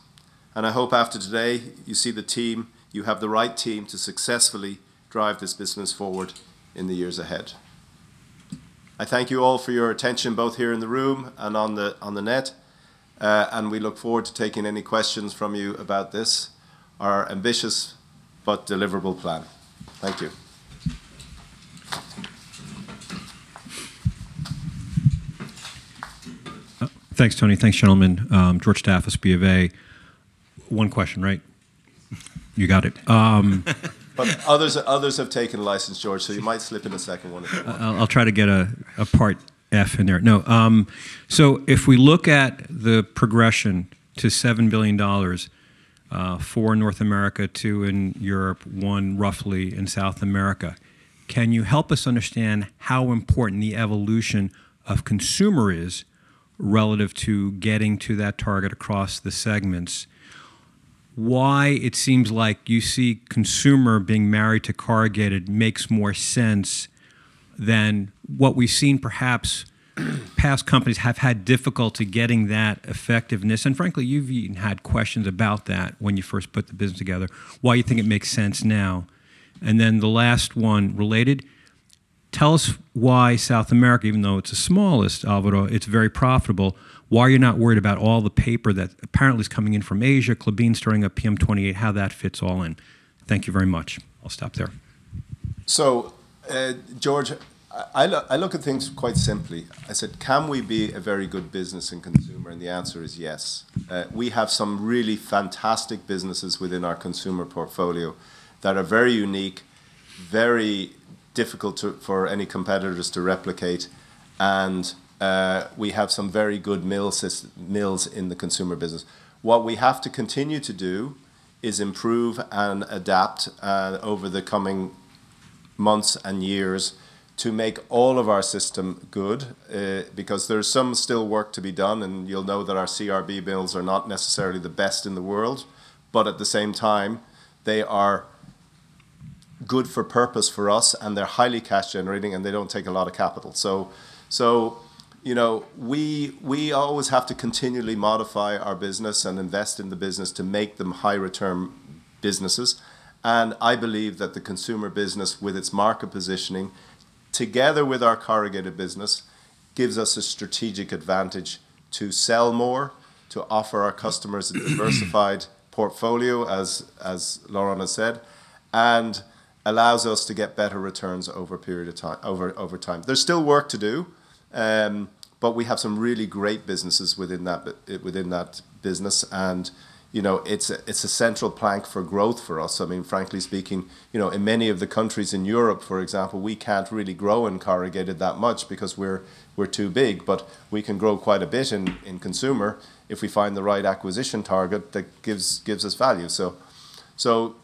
I hope after today, you see the team, you have the right team to successfully drive this business forward in the years ahead. I thank you all for your attention, both here in the room and on the net, and we look forward to taking any questions from you about this, our ambitious but deliverable plan. Thank you. Thanks, Tony. Thanks, gentlemen. George Staphos, BofA. One question, right? You got it. But others, others have taken license, George, so you might slip in a second one if you want. So if we look at the progression to $7 billion, $4 billion in North America, $2 billion in Europe, $1 billion roughly in South America, can you help us understand how important the evolution of consumer is relative to getting to that target across the segments? Why it seems like you see consumer being married to corrugated makes more sense than what we've seen perhaps past companies have had difficulty getting that effectiveness, and frankly, you've even had questions about that when you first put the business together, why you think it makes sense now? And then the last one, related: Tell us why South America, even though it's the smallest, Alvaro, it's very profitable, why you're not worried about all the paper that apparently is coming in from Asia, Klabin starting up PM28, how that fits all in? Thank you very much. I'll stop there. So, George, I look at things quite simply. I said, "Can we be a very good business in consumer?" And the answer is yes. We have some really fantastic businesses within our consumer portfolio that are very unique, very difficult for any competitors to replicate, and we have some very good mills in the consumer business. What we have to continue to do is improve and adapt over the coming months and years to make all of our system good, because there's still some work to be done, and you'll know that our CRB mills are not necessarily the best in the world, but at the same time, they are good for purpose for us, and they're highly cash generating, and they don't take a lot of capital. You know, we always have to continually modify our business and invest in the business to make them high-return businesses. And I believe that the consumer business, with its market positioning, together with our corrugated business, gives us a strategic advantage to sell more, to offer our customers a diversified portfolio, as Laurent has said, and allows us to get better returns over a period of time, over time. There's still work to do, but we have some really great businesses within that business. And, you know, it's a central plank for growth for us. I mean, frankly speaking, you know, in many of the countries in Europe, for example, we can't really grow in corrugated that much because we're too big, but we can grow quite a bit in consumer if we find the right acquisition target that gives us value. So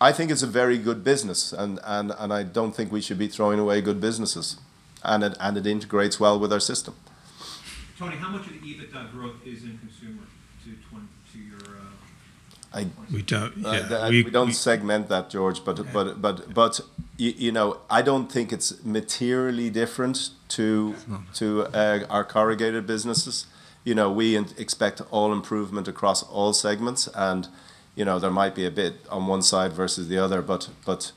I think it's a very good business, and I don't think we should be throwing away good businesses, and it integrates well with our system. Tony, how much of the EBITDA growth is in consumer to 2024? I- We don't We don't segment that, George. Okay. You know, I don't think it's materially different to- No... to our corrugated businesses. You know, we expect all improvement across all segments and, you know, there might be a bit on one side versus the other, but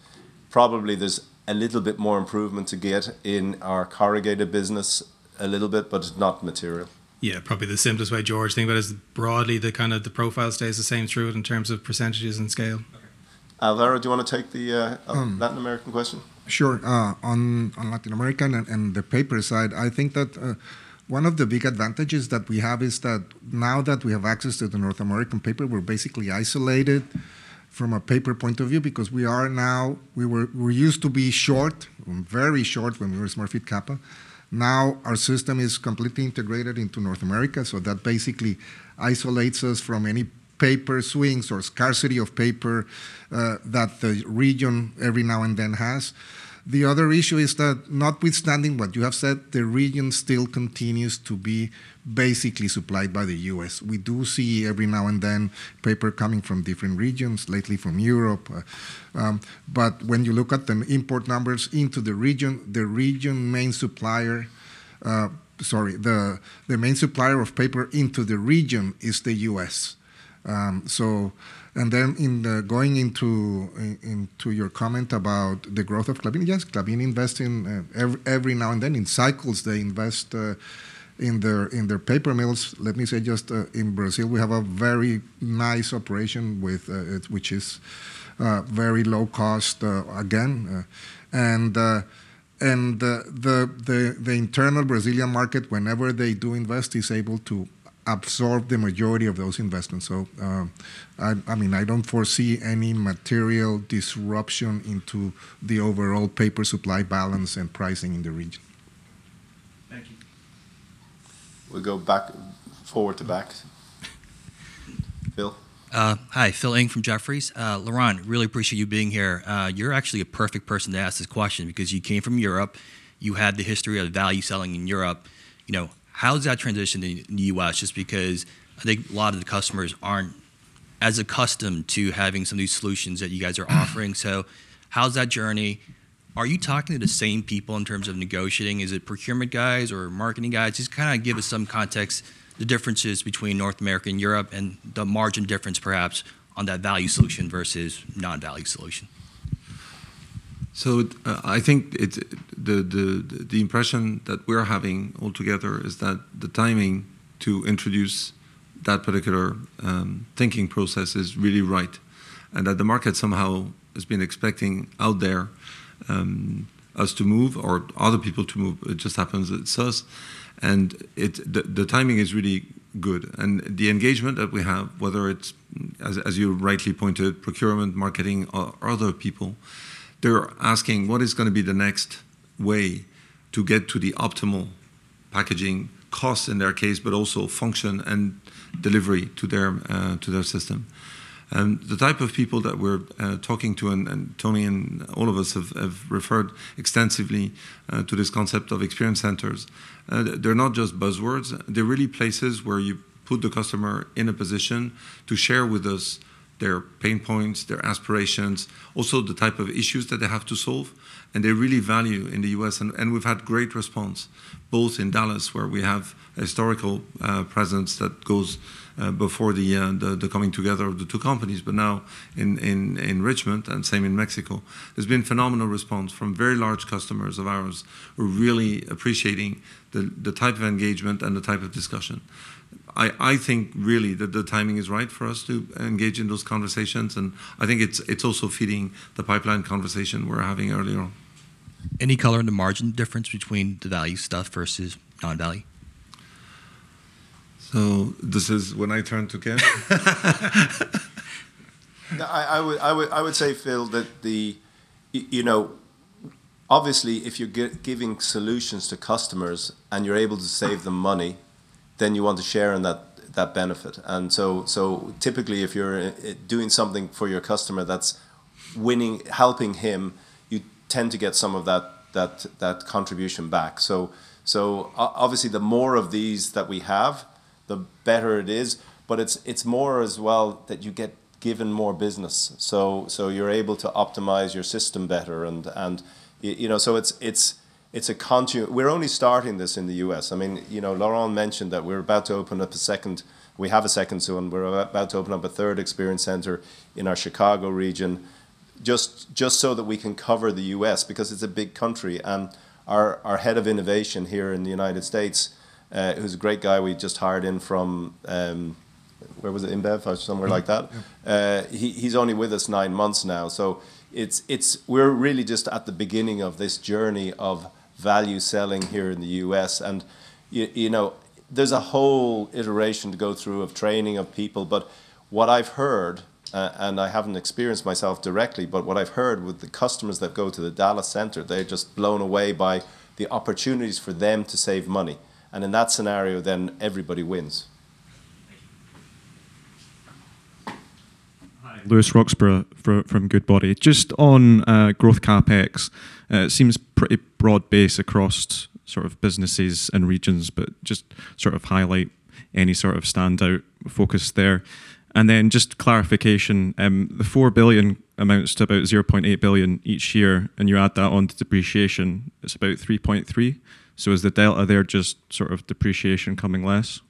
probably there's a little bit more improvement to get in our corrugated business a little bit, but it's not material. Yeah, probably the simplest way, George, think about it, is broadly, the kind of the profile stays the same through in terms of percentages and scale. Okay. Laurent, do you wanna take the? Um... Latin American question? Sure. On Latin American and the paper side, I think that one of the big advantages that we have is that now that we have access to the North American paper, we're basically isolated from a paper point of view because we are now—we were, we used to be short, very short when we were Smurfit Kappa. Now, our system is completely integrated into North America, so that basically isolates us from any paper swings or scarcity of paper that the region every now and then has. The other issue is that notwithstanding what you have said, the region still continues to be basically supplied by the U.S. We do see every now and then, paper coming from different regions, lately from Europe. But when you look at the import numbers into the region, the region's main supplier, the main supplier of paper into the region is the U.S.. So and then in the... Going into your comment about the growth of Klabin. Yes, Klabin invest in every now and then, in cycles, they invest in their paper mills. Let me say just in Brazil, we have a very nice operation with which is very low cost, again. And the internal Brazilian market, whenever they do invest, is able to absorb the majority of those investments. So, I mean, I don't foresee any material disruption into the overall paper supply balance and pricing in the region. Thank you. We go back, forward to back. Phil? Hi, Phil Ng from Jefferies. Laurent, really appreciate you being here. You're actually a perfect person to ask this question because you came from Europe, you had the history of value selling in Europe. You know, how has that transitioned in the U.S.? Just because I think a lot of the customers aren't as accustomed to having some of these solutions that you guys are offering. So how's that journey? Are you talking to the same people in terms of negotiating? Is it procurement guys or marketing guys? Just kind of give us some context, the differences between North America and Europe, and the margin difference perhaps on that value solution versus non-value solution. So, I think it's the impression that we're having altogether is that the timing to introduce that particular thinking process is really right, and that the market somehow has been expecting out there us to move or other people to move. It just happens it's us, and it. The timing is really good. And the engagement that we have, whether it's, as you rightly pointed, procurement, marketing, or other people, they're asking: What is gonna be the next way to get to the optimal packaging costs in their case, but also function and delivery to their to their system? And the type of people that we're talking to, and Tony and all of us have referred extensively to this concept of experience centers. They're not just buzzwords, they're really places where you put the customer in a position to share with us their pain points, their aspirations, also the type of issues that they have to solve, and they really value in the U.S.. We've had great response, both in Dallas, where we have a historical presence that goes before the coming together of the two companies, but now in Richmond and same in Mexico. There's been phenomenal response from very large customers of ours, who are really appreciating the type of engagement and the type of discussion. I think really that the timing is right for us to engage in those conversations, and I think it's also feeding the pipeline conversation we were having earlier on. Any color on the margin difference between the value stuff versus non-value? So this is when I turn to Ken? I would say, Phil, that you know, obviously, if you're giving solutions to customers and you're able to save them money, then you want to share in that benefit. So typically, if you're doing something for your customer that's winning, helping him, you tend to get some of that contribution back. So obviously, the more of these that we have, the better it is. But it's more as well that you get given more business. So you're able to optimize your system better and you know, so it's. We're only starting this in the U.S.. I mean, you know, Laurent mentioned that we have a second, and we're about to open up a third experience center in our Chicago region. Just so that we can cover the U.S. because it's a big country. And our Head of Innovation here in the United States, who's a great guy, we just hired him from... Where was it? InBev or somewhere like that. Yeah. He's only with us nine months now. So it's - we're really just at the beginning of this journey of value selling here in the U.S. And you know, there's a whole iteration to go through of training of people. But what I've heard, and I haven't experienced myself directly, but what I've heard with the customers that go to the Dallas center, they're just blown away by the opportunities for them to save money. And in that scenario, then everybody wins. Thank you. Hi, Lewis Roxburgh from Goodbody. Just on growth CapEx, it seems pretty broad-based across sort of businesses and regions, but just sort of highlight any sort of standout focus there. Then just clarification, the $4 billion amounts to about $0.8 billion each year, and you add that onto depreciation, it's about $3.3 billion. So is the delta there just sort of depreciation coming less?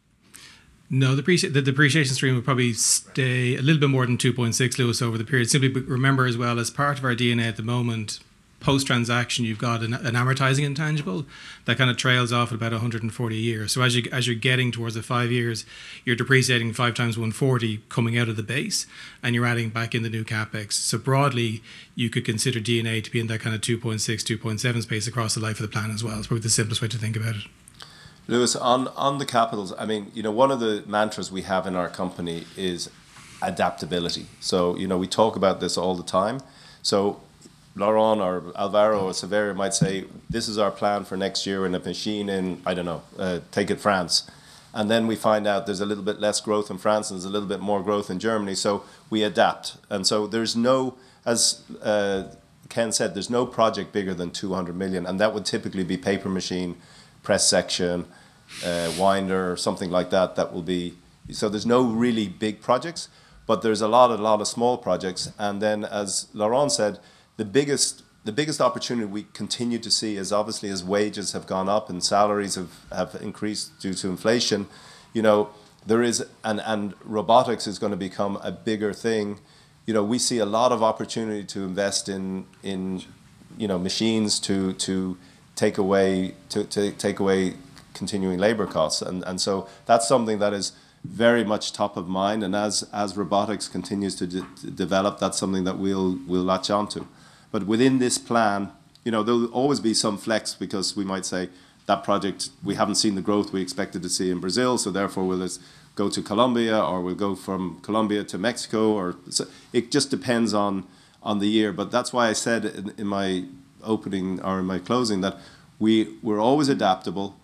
No, the depreciation stream will probably stay- Right... a little bit more than 2.6, Lewis, over the period. Simply, but remember as well, as part of our D&A at the moment, post-transaction, you've got an amortizing intangible that kind of trails off at about 140 a year. So as you, as you're getting towards the five years, you're depreciating five times 140 coming out of the base, and you're adding back in the new CapEx. So broadly, you could consider D&A to be in that kind of 2.6-2.7 space across the life of the plan as well. It's probably the simplest way to think about it. Lewis, on the capitals, I mean, you know, one of the mantras we have in our company is adaptability. So, you know, we talk about this all the time. So Laurent or Alvaro or Saverio might say, "This is our plan for next year," in a machine in, I don't know, take it, France. And then we find out there's a little bit less growth in France, and there's a little bit more growth in Germany, so we adapt. And so there's no, as Ken said, there's no project bigger than $200 million, and that would typically be paper machine, press section, winder, or something like that, that will be... So there's no really big projects, but there's a lot, a lot of small projects. And then, as Laurent said, the biggest opportunity we continue to see is obviously as wages have gone up and salaries have increased due to inflation, you know, there is... and robotics is gonna become a bigger thing. You know, we see a lot of opportunity to invest in, you know, machines to take away continuing labor costs. And so that's something that is very much top of mind, and as robotics continues to develop, that's something that we'll latch on to. But within this plan, you know, there'll always be some flex because we might say, "That project, we haven't seen the growth we expected to see in Brazil, so therefore we'll just go to Colombia, or we'll go from Colombia to Mexico," or so it just depends on the year. But that's why I said in my opening or in my closing that we're always adaptable,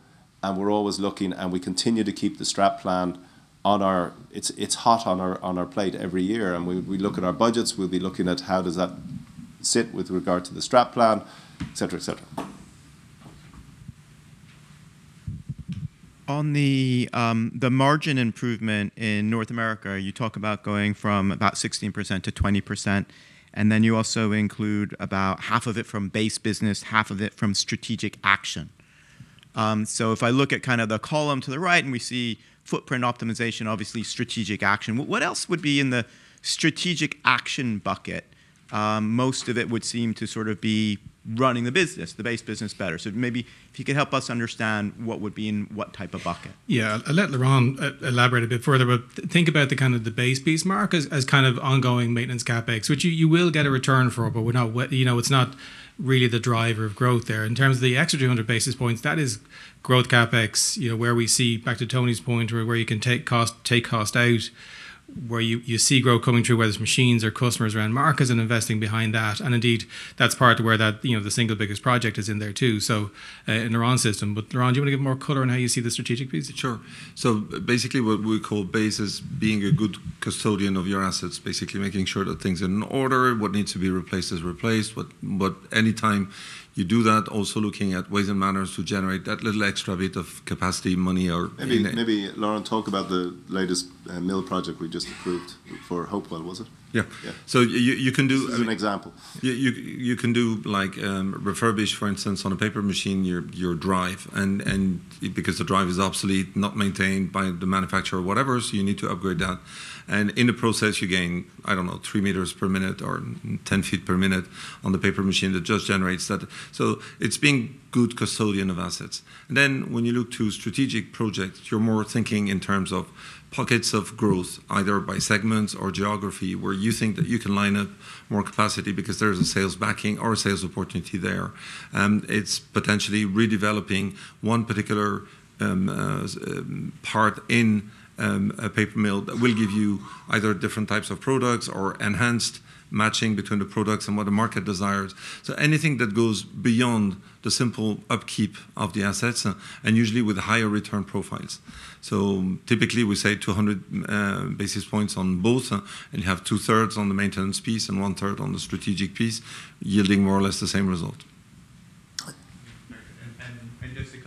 and we're always looking, and we continue to keep the Strap Plan on our... It's hot on our plate every year. And we look at our budgets, we'll be looking at how does that sit with regard to the Strat Plan, et cetera, et cetera. On the margin improvement in North America, you talk about going from about 16% to 20%, and then you also include about half of it from base business, half of it from strategic action. So if I look at kind of the column to the right, and we see footprint optimization, obviously strategic action, what else would be in the strategic action bucket? Most of it would seem to sort of be running the business, the base business better. So maybe if you could help us understand what would be in what type of bucket. Yeah. I'll let Laurent elaborate a bit further, but think about the kind of the base piece, Mark, as, as kind of ongoing maintenance CapEx, which you, you will get a return for, but we're not, you know, it's not really the driver of growth there. In terms of the extra 300 basis points, that is growth CapEx, you know, where we see, back to Tony's point, where, where you can take cost, take cost out, where you, you see growth coming through, whether it's machines or customers around markets and investing behind that. And indeed, that's part of where that, you know, the single biggest project is in there too, so, in Laurent's system. But Laurent, do you want to give more color on how you see the strategic piece? Sure. So basically, what we call base is being a good custodian of your assets. Basically, making sure that things are in order, what needs to be replaced is replaced. But anytime you do that, also looking at ways and manners to generate that little extra bit of capacity, money, or- Maybe, maybe, Laurent, talk about the latest, mill project we just approved for Hopewell, was it? Yeah. Yeah. So you can do- As an example. Yeah, you, you can do like, refurbish, for instance, on a paper machine, your, your drive, and, and because the drive is obsolete, not maintained by the manufacturer or whatever, so you need to upgrade that. And in the process, you gain, I don't know, 3 meters per minute or 10 feet per minute on the paper machine that just generates that. So it's being good custodian of assets. And then, when you look to strategic projects, you're more thinking in terms of pockets of growth, either by segments or geography, where you think that you can line up more capacity because there is a sales backing or a sales opportunity there. And it's potentially redeveloping one particular, part in, a paper mill that will give you either different types of products or enhanced matching between the products and what the market desires. So anything that goes beyond the simple upkeep of the assets, and usually with higher return profiles. So typically, we say 200 basis points on both, and you have 2/3 on the maintenance piece and 1/3 on the strategic piece, yielding more or less the same result.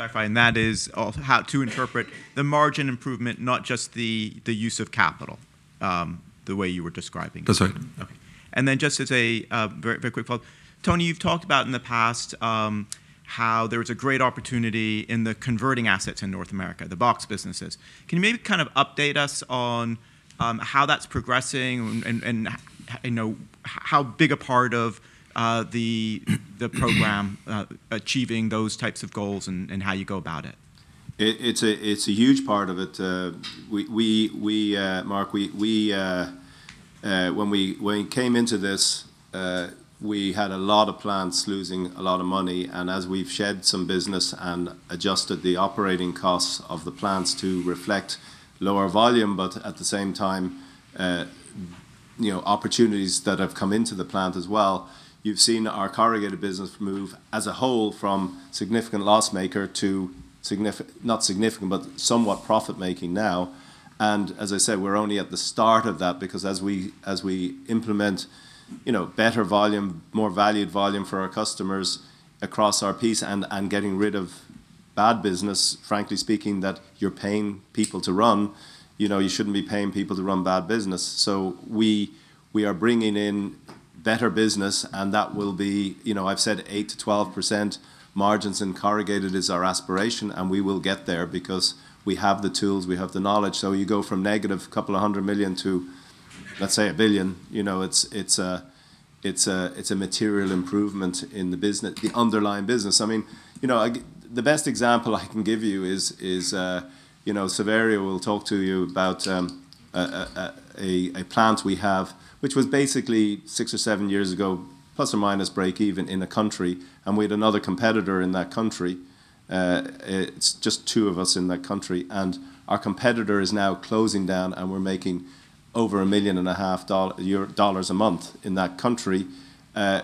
Just to clarify, that is how to interpret the margin improvement, not just the use of capital, the way you were describing it? That's right. Okay. And then just as a very, very quick follow-up. Tony, you've talked about in the past how there was a great opportunity in the converting assets in North America, the box businesses. Can you maybe kind of update us on how that's progressing and you know-... how big a part of the program achieving those types of goals and how you go about it? It's a huge part of it. Mark, when we came into this, we had a lot of plants losing a lot of money. And as we've shed some business and adjusted the operating costs of the plants to reflect lower volume, but at the same time, you know, opportunities that have come into the plant as well, you've seen our corrugated business move as a whole from significant loss maker to not significant, but somewhat profit-making now. And as I said, we're only at the start of that, because as we implement, you know, better volume, more valued volume for our customers across our piece and getting rid of bad business, frankly speaking, that you're paying people to run, you know, you shouldn't be paying people to run bad business. So we are bringing in better business, and that will be, you know, I've said 8%-12% margins in corrugated is our aspiration, and we will get there because we have the tools, we have the knowledge. So you go from negative $200 million to, let's say, $1 billion, you know, it's a material improvement in the business, the underlying business. I mean, you know, the best example I can give you is, you know, Saverio will talk to you about a plant we have, which was basically six or seven years ago, plus or minus breakeven in a country, and we had another competitor in that country. It's just two of us in that country, and our competitor is now closing down, and we're making over $1.5 million a month in that country,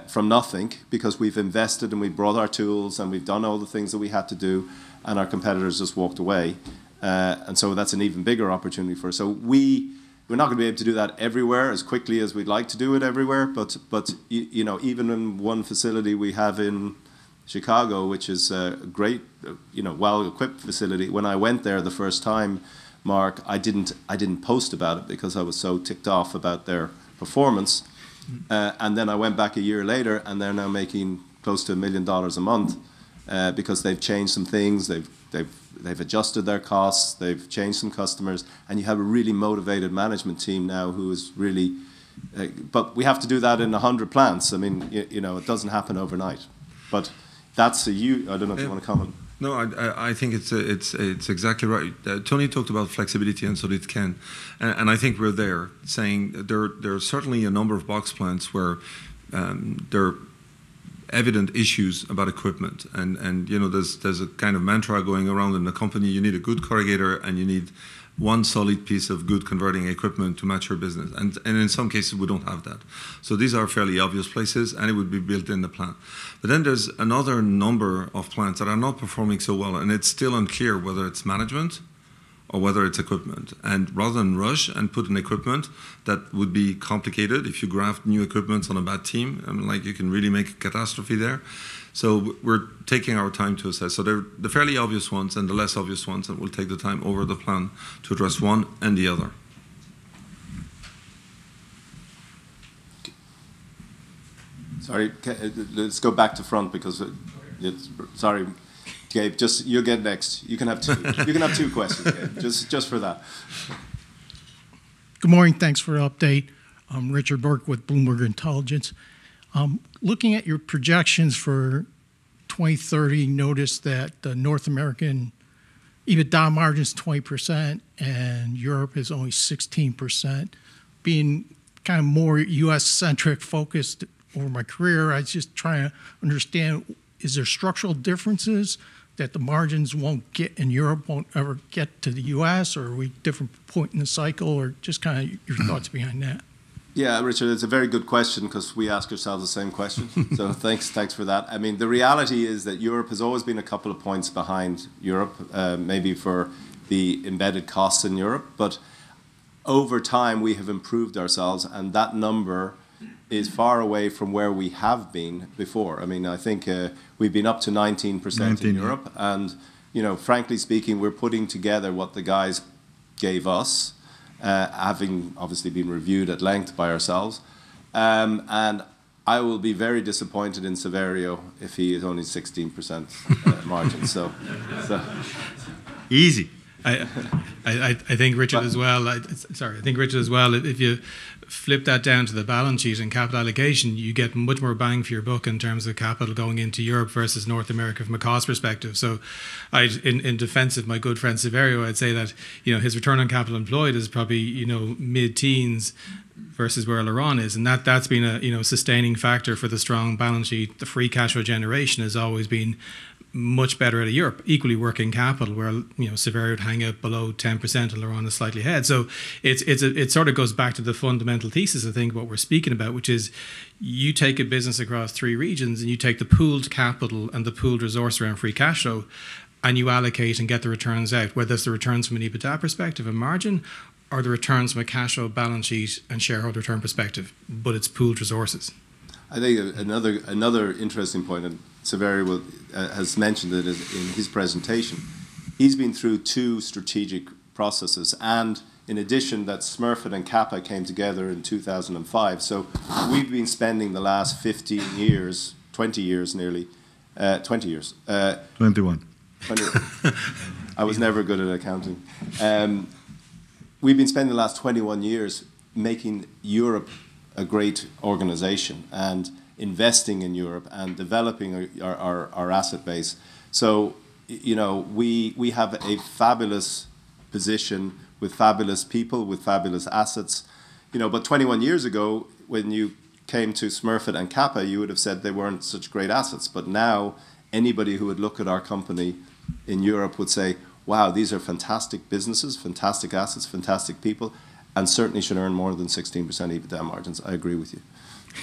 from nothing, because we've invested, and we've brought our tools, and we've done all the things that we had to do, and our competitors just walked away. And so that's an even bigger opportunity for us. So we're not gonna be able to do that everywhere as quickly as we'd like to do it everywhere, but, you know, even in one facility we have in Chicago, which is a great, you know, well-equipped facility. When I went there the first time, Mark, I didn't, I didn't post about it because I was so ticked off about their performance. Mm. And then I went back a year later, and they're now making close to $1 million a month, because they've changed some things, they've adjusted their costs, they've changed some customers, and you have a really motivated management team now who is really... But we have to do that in 100 plants. I mean, you know, it doesn't happen overnight. But that's a huge. I don't know if you want to comment. No, I think it's exactly right. Tony talked about flexibility, and so did Ken, and I think we're there, saying there are certainly a number of box plants where there are evident issues about equipment. And, you know, there's a kind of mantra going around in the company: You need a good corrugator, and you need one solid piece of good converting equipment to match your business. And in some cases, we don't have that. So these are fairly obvious places, and it would be built in the plant. But then there's another number of plants that are not performing so well, and it's still unclear whether it's management or whether it's equipment. Rather than rush and put in equipment, that would be complicated if you graft new equipment on a bad team, and like, you can really make a catastrophe there. We're taking our time to assess. There are the fairly obvious ones and the less obvious ones, and we'll take the time over the plan to address one and the other. Let's go back to front because it Oh, yeah. Sorry, Gabe. Just you'll get next. You can have two—you can have two questions, Gabe, just, just for that. Good morning. Thanks for the update. I'm Richard Bourke with Bloomberg Intelligence. Looking at your projections for 2030, noticed that the North American EBITDA margin is 20%, and Europe is only 16%. Being kind of more US-centric focused over my career, I just try to understand, is there structural differences that the margins won't get, in Europe won't ever get to the U.S., or are we at different point in the cycle? Or just kind of your thoughts behind that. Yeah, Richard, it's a very good question 'cause we ask ourselves the same question. So thanks, thanks for that. I mean, the reality is that Europe has always been a couple of points behind Europe, maybe for the embedded costs in Europe. But over time, we have improved ourselves, and that number is far away from where we have been before. I mean, I think, we've been up to 19%- Nineteen... in Europe, and, you know, frankly speaking, we're putting together what the guys gave us, having obviously been reviewed at length by ourselves. And I will be very disappointed in Saverio if he is only 16% margin, so, so- Easy. I think Richard as well- But- Sorry. I think Richard as well, if you flip that down to the balance sheet and capital allocation, you get much more bang for your buck in terms of capital going into Europe versus North America from a cost perspective. So I'd... In, in defense of my good friend, Saverio, I'd say that, you know, his return on capital employed is probably, you know, mid-teens versus where Laurent is, and that, that's been a, you know, sustaining factor for the strong balance sheet. The free cash flow generation has always been much better out of Europe. Equally, working capital, where, you know, Saverio would hang out below 10% and Laurent is slightly ahead. So it's a, it sort of goes back to the fundamental thesis, I think, what we're speaking about, which is you take a business across three regions, and you take the pooled capital and the pooled resource around free cash flow, and you allocate and get the returns out, whether it's the returns from an EBITDA perspective and margin, or the returns from a cash flow, balance sheet, and shareholder return perspective. But it's pooled resources. I think another, another interesting point, and Saverio will has mentioned it in, in his presentation, he's been through two strategic processes and, in addition, that Smurfit and Kappa came together in 2005. So we've been spending the last 15 years, 20 years, nearly, 20 years- Twenty-one. 21. I was never good at accounting. We've been spending the last 21 years making Europe a great organization, and investing in Europe, and developing our asset base. So, you know, we have a fabulous position with fabulous people, with fabulous assets. You know, but 21 years ago, when you came to Smurfit Kappa, you would have said they weren't such great assets. But now, anybody who would look at our company in Europe would say, "Wow, these are fantastic businesses, fantastic assets, fantastic people, and certainly should earn more than 16% EBITDA margins." I agree with you.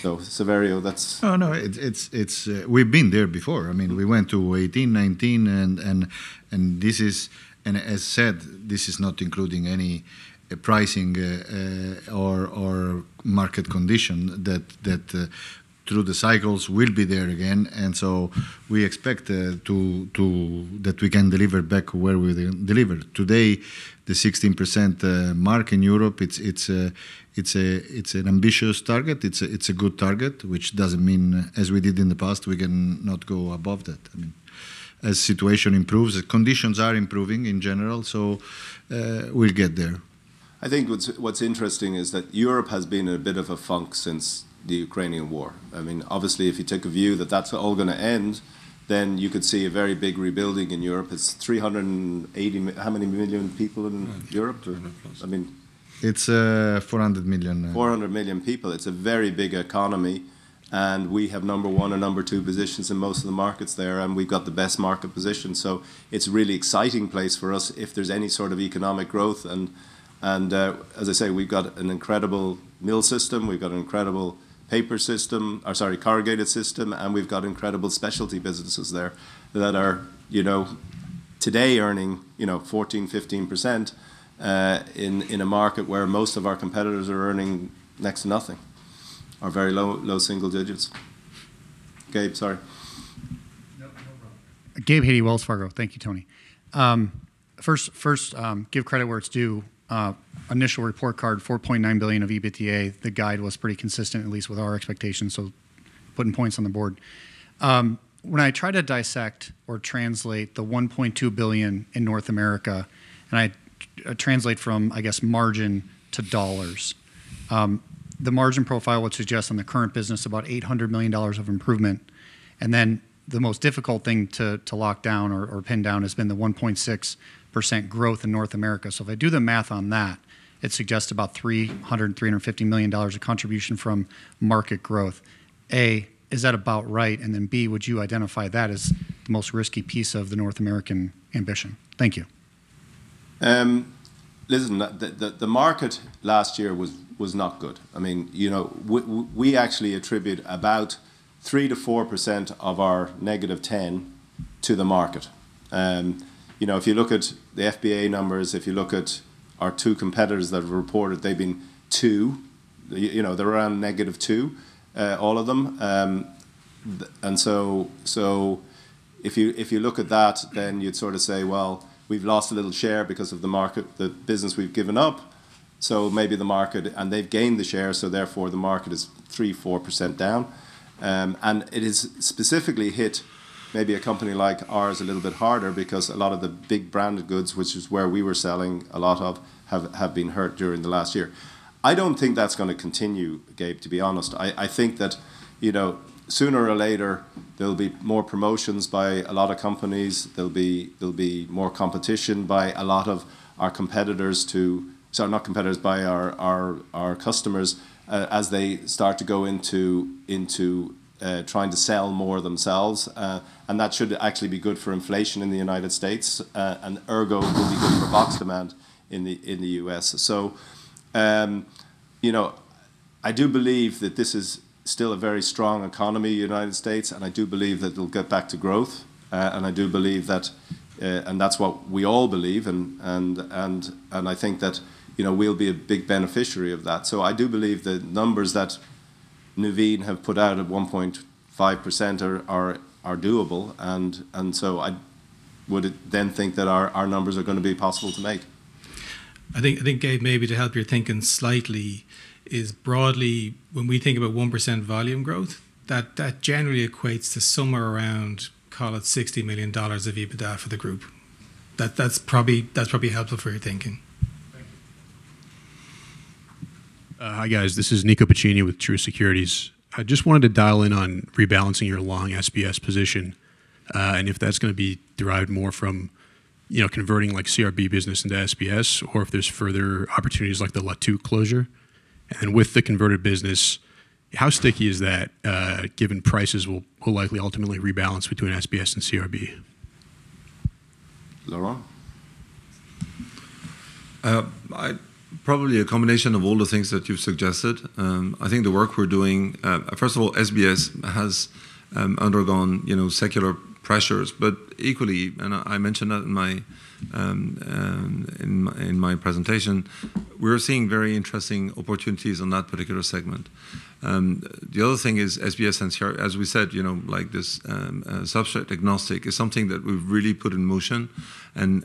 So Saverio, that's- No, it's we've been there before. I mean, we went to 18, 19, and this is—and as said, this is not including any pricing or market condition that through the cycles will be there again. And so we expect to—that we can deliver back where we delivered. Today, the 16% mark in Europe, it's an ambitious target. It's a good target, which doesn't mean, as we did in the past, we can not go above that. I mean, as situation improves... The conditions are improving in general, so we'll get there. I think what's, what's interesting is that Europe has been in a bit of a funk since the Ukrainian war. I mean, obviously, if you take a view that that's all gonna end, then you could see a very big rebuilding in Europe. It's 380 mi- how many million people in Europe? Mm, close. I mean- It's $400 million. 400 million people. It's a very big economy, and we have number one and number two positions in most of the markets there, and we've got the best market position. So it's a really exciting place for us if there's any sort of economic growth. And, and, as I say, we've got an incredible mill system, we've got an incredible paper system, sorry, corrugated system, and we've got incredible specialty businesses there that are, you know, today earning, you know, 14%-15%, in a market where most of our competitors are earning next to nothing, or very low, low single digits. Gabe, sorry. No, no problem. Gabe Hajde, Wells Fargo. Thank you, Tony. First, first, give credit where it's due, initial report card, $4.9 billion of EBITDA. The guide was pretty consistent, at least with our expectations, so putting points on the board. When I try to dissect or translate the $1.2 billion in North America, and I translate from, I guess, margin to dollars, the margin profile would suggest on the current business, about $800 million of improvement. And then, the most difficult thing to lock down or pin down has been the 1.6% growth in North America. So if I do the math on that, it suggests about $300 million-$350 million of contribution from market growth. Is that about right? And then, B, would you identify that as the most risky piece of the North American ambition? Thank you. Listen, the market last year was not good. I mean, you know, we actually attribute about 3%-4% of our -10% to the market. You know, if you look at the FBA numbers, if you look at our two competitors that have reported, they've been -2%. You know, they're around -2%, all of them. And so if you look at that, then you'd sort of say, "Well, we've lost a little share because of the market, the business we've given up, so maybe the market... They've gained the share, so therefore, the market is 3%-4% down. And it has specifically hit maybe a company like ours a little bit harder because a lot of the big branded goods, which is where we were selling a lot of, have been hurt during the last year. I don't think that's gonna continue, Gabe, to be honest. I think that, you know, sooner or later, there'll be more promotions by a lot of companies. There'll be more competition by a lot of our competitors to... Sorry, not competitors, by our customers, as they start to go into trying to sell more themselves. And that should actually be good for inflation in the United States, and ergo, will be good for box demand in the U.S.. So, you know, I do believe that this is still a very strong economy, United States, and I do believe that it'll get back to growth, and I do believe that. And that's what we all believe, and I think that, you know, we'll be a big beneficiary of that. So I do believe the numbers that Naveen have put out at 1.5% are doable, and so I would then think that our numbers are gonna be possible to make. I think, Gabe, maybe to help your thinking slightly, is broadly, when we think about 1% volume growth, that generally equates to somewhere around, call it $60 million of EBITDA for the group. That's probably helpful for your thinking. Thank you. Hi, guys. This is Nico Piccini with Truist Securities. I just wanted to dial in on rebalancing your long SBS position, and if that's gonna be derived more from, you know, converting like CRB business into SBS, or if there's further opportunities like the La Tuque closure. And with the converted business, how sticky is that, given prices will likely ultimately rebalance between SBS and CRB? Laurent? I probably a combination of all the things that you've suggested. I think the work we're doing... First of all, SBS has undergone, you know, secular pressures, but equally, and I mentioned that in my presentation, we're seeing very interesting opportunities on that particular segment. The other thing is SBS and CRB—as we said, you know, like this, substrate agnostic is something that we've really put in motion and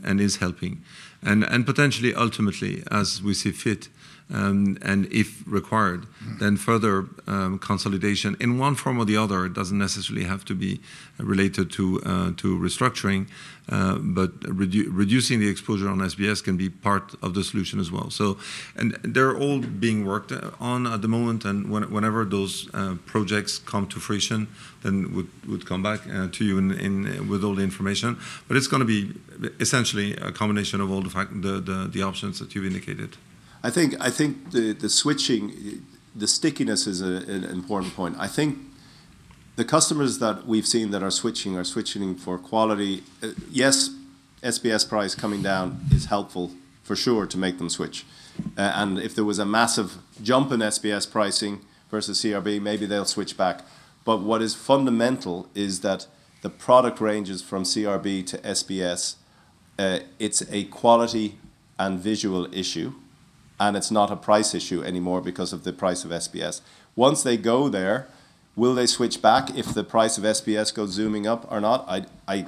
potentially, ultimately, as we see fit, and if required- Mm-hmm... then further, consolidation in one form or the other, it doesn't necessarily have to be related to restructuring.... but reducing the exposure on SBS can be part of the solution as well. So, and they're all being worked on at the moment, and whenever those projects come to fruition, then we'd come back to you with all the information. But it's gonna be essentially a combination of all the options that you've indicated. I think the switching, the stickiness is an important point. I think the customers that we've seen that are switching are switching for quality. Yes, SBS price coming down is helpful for sure to make them switch. And if there was a massive jump in SBS pricing versus CRB, maybe they'll switch back. But what is fundamental is that the product ranges from CRB to SBS. It's a quality and visual issue, and it's not a price issue anymore because of the price of SBS. Once they go there, will they switch back if the price of SBS goes zooming up or not? I, I,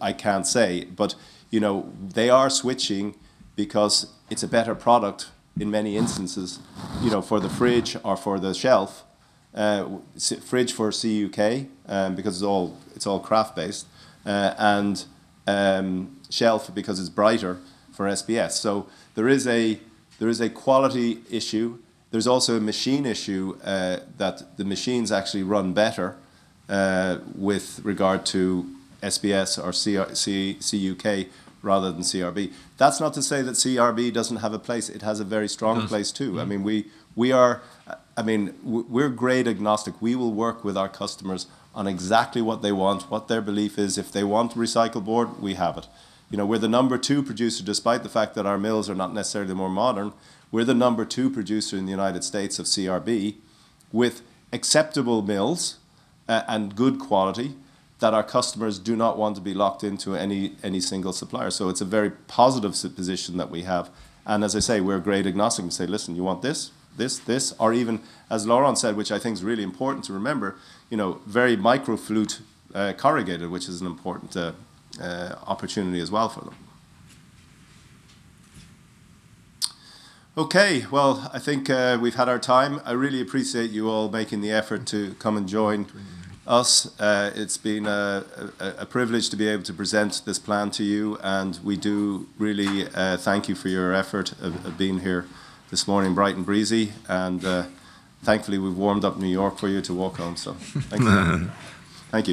I can't say. But, you know, they are switching because it's a better product in many instances, you know, for the fridge or for the shelf. Fridge for CUK, because it's all, it's all kraft-based, and shelf because it's brighter for SBS. So there is a quality issue. There's also a machine issue, that the machines actually run better with regard to SBS or CUK rather than CRB. That's not to say that CRB doesn't have a place, it has a very strong place too. Mm. I mean, we're grade agnostic. We will work with our customers on exactly what they want, what their belief is. If they want recycled board, we have it. You know, we're the number two producer, despite the fact that our mills are not necessarily more modern, we're the number two producer in the United States of CRB, with acceptable mills and good quality, that our customers do not want to be locked into any single supplier. So it's a very positive position that we have, and as I say, we're grade agnostic. We say: "Listen, you want this, this, this?" Or even as Laurent said, which I think is really important to remember, you know, very microflute corrugated, which is an important opportunity as well for them. Okay, well, I think we've had our time. I really appreciate you all making the effort to come and join us. It's been a privilege to be able to present this plan to you, and we do really thank you for your effort of being here this morning, bright and breezy. Thankfully, we've warmed up New York for you to walk home, so thank you. Thank you.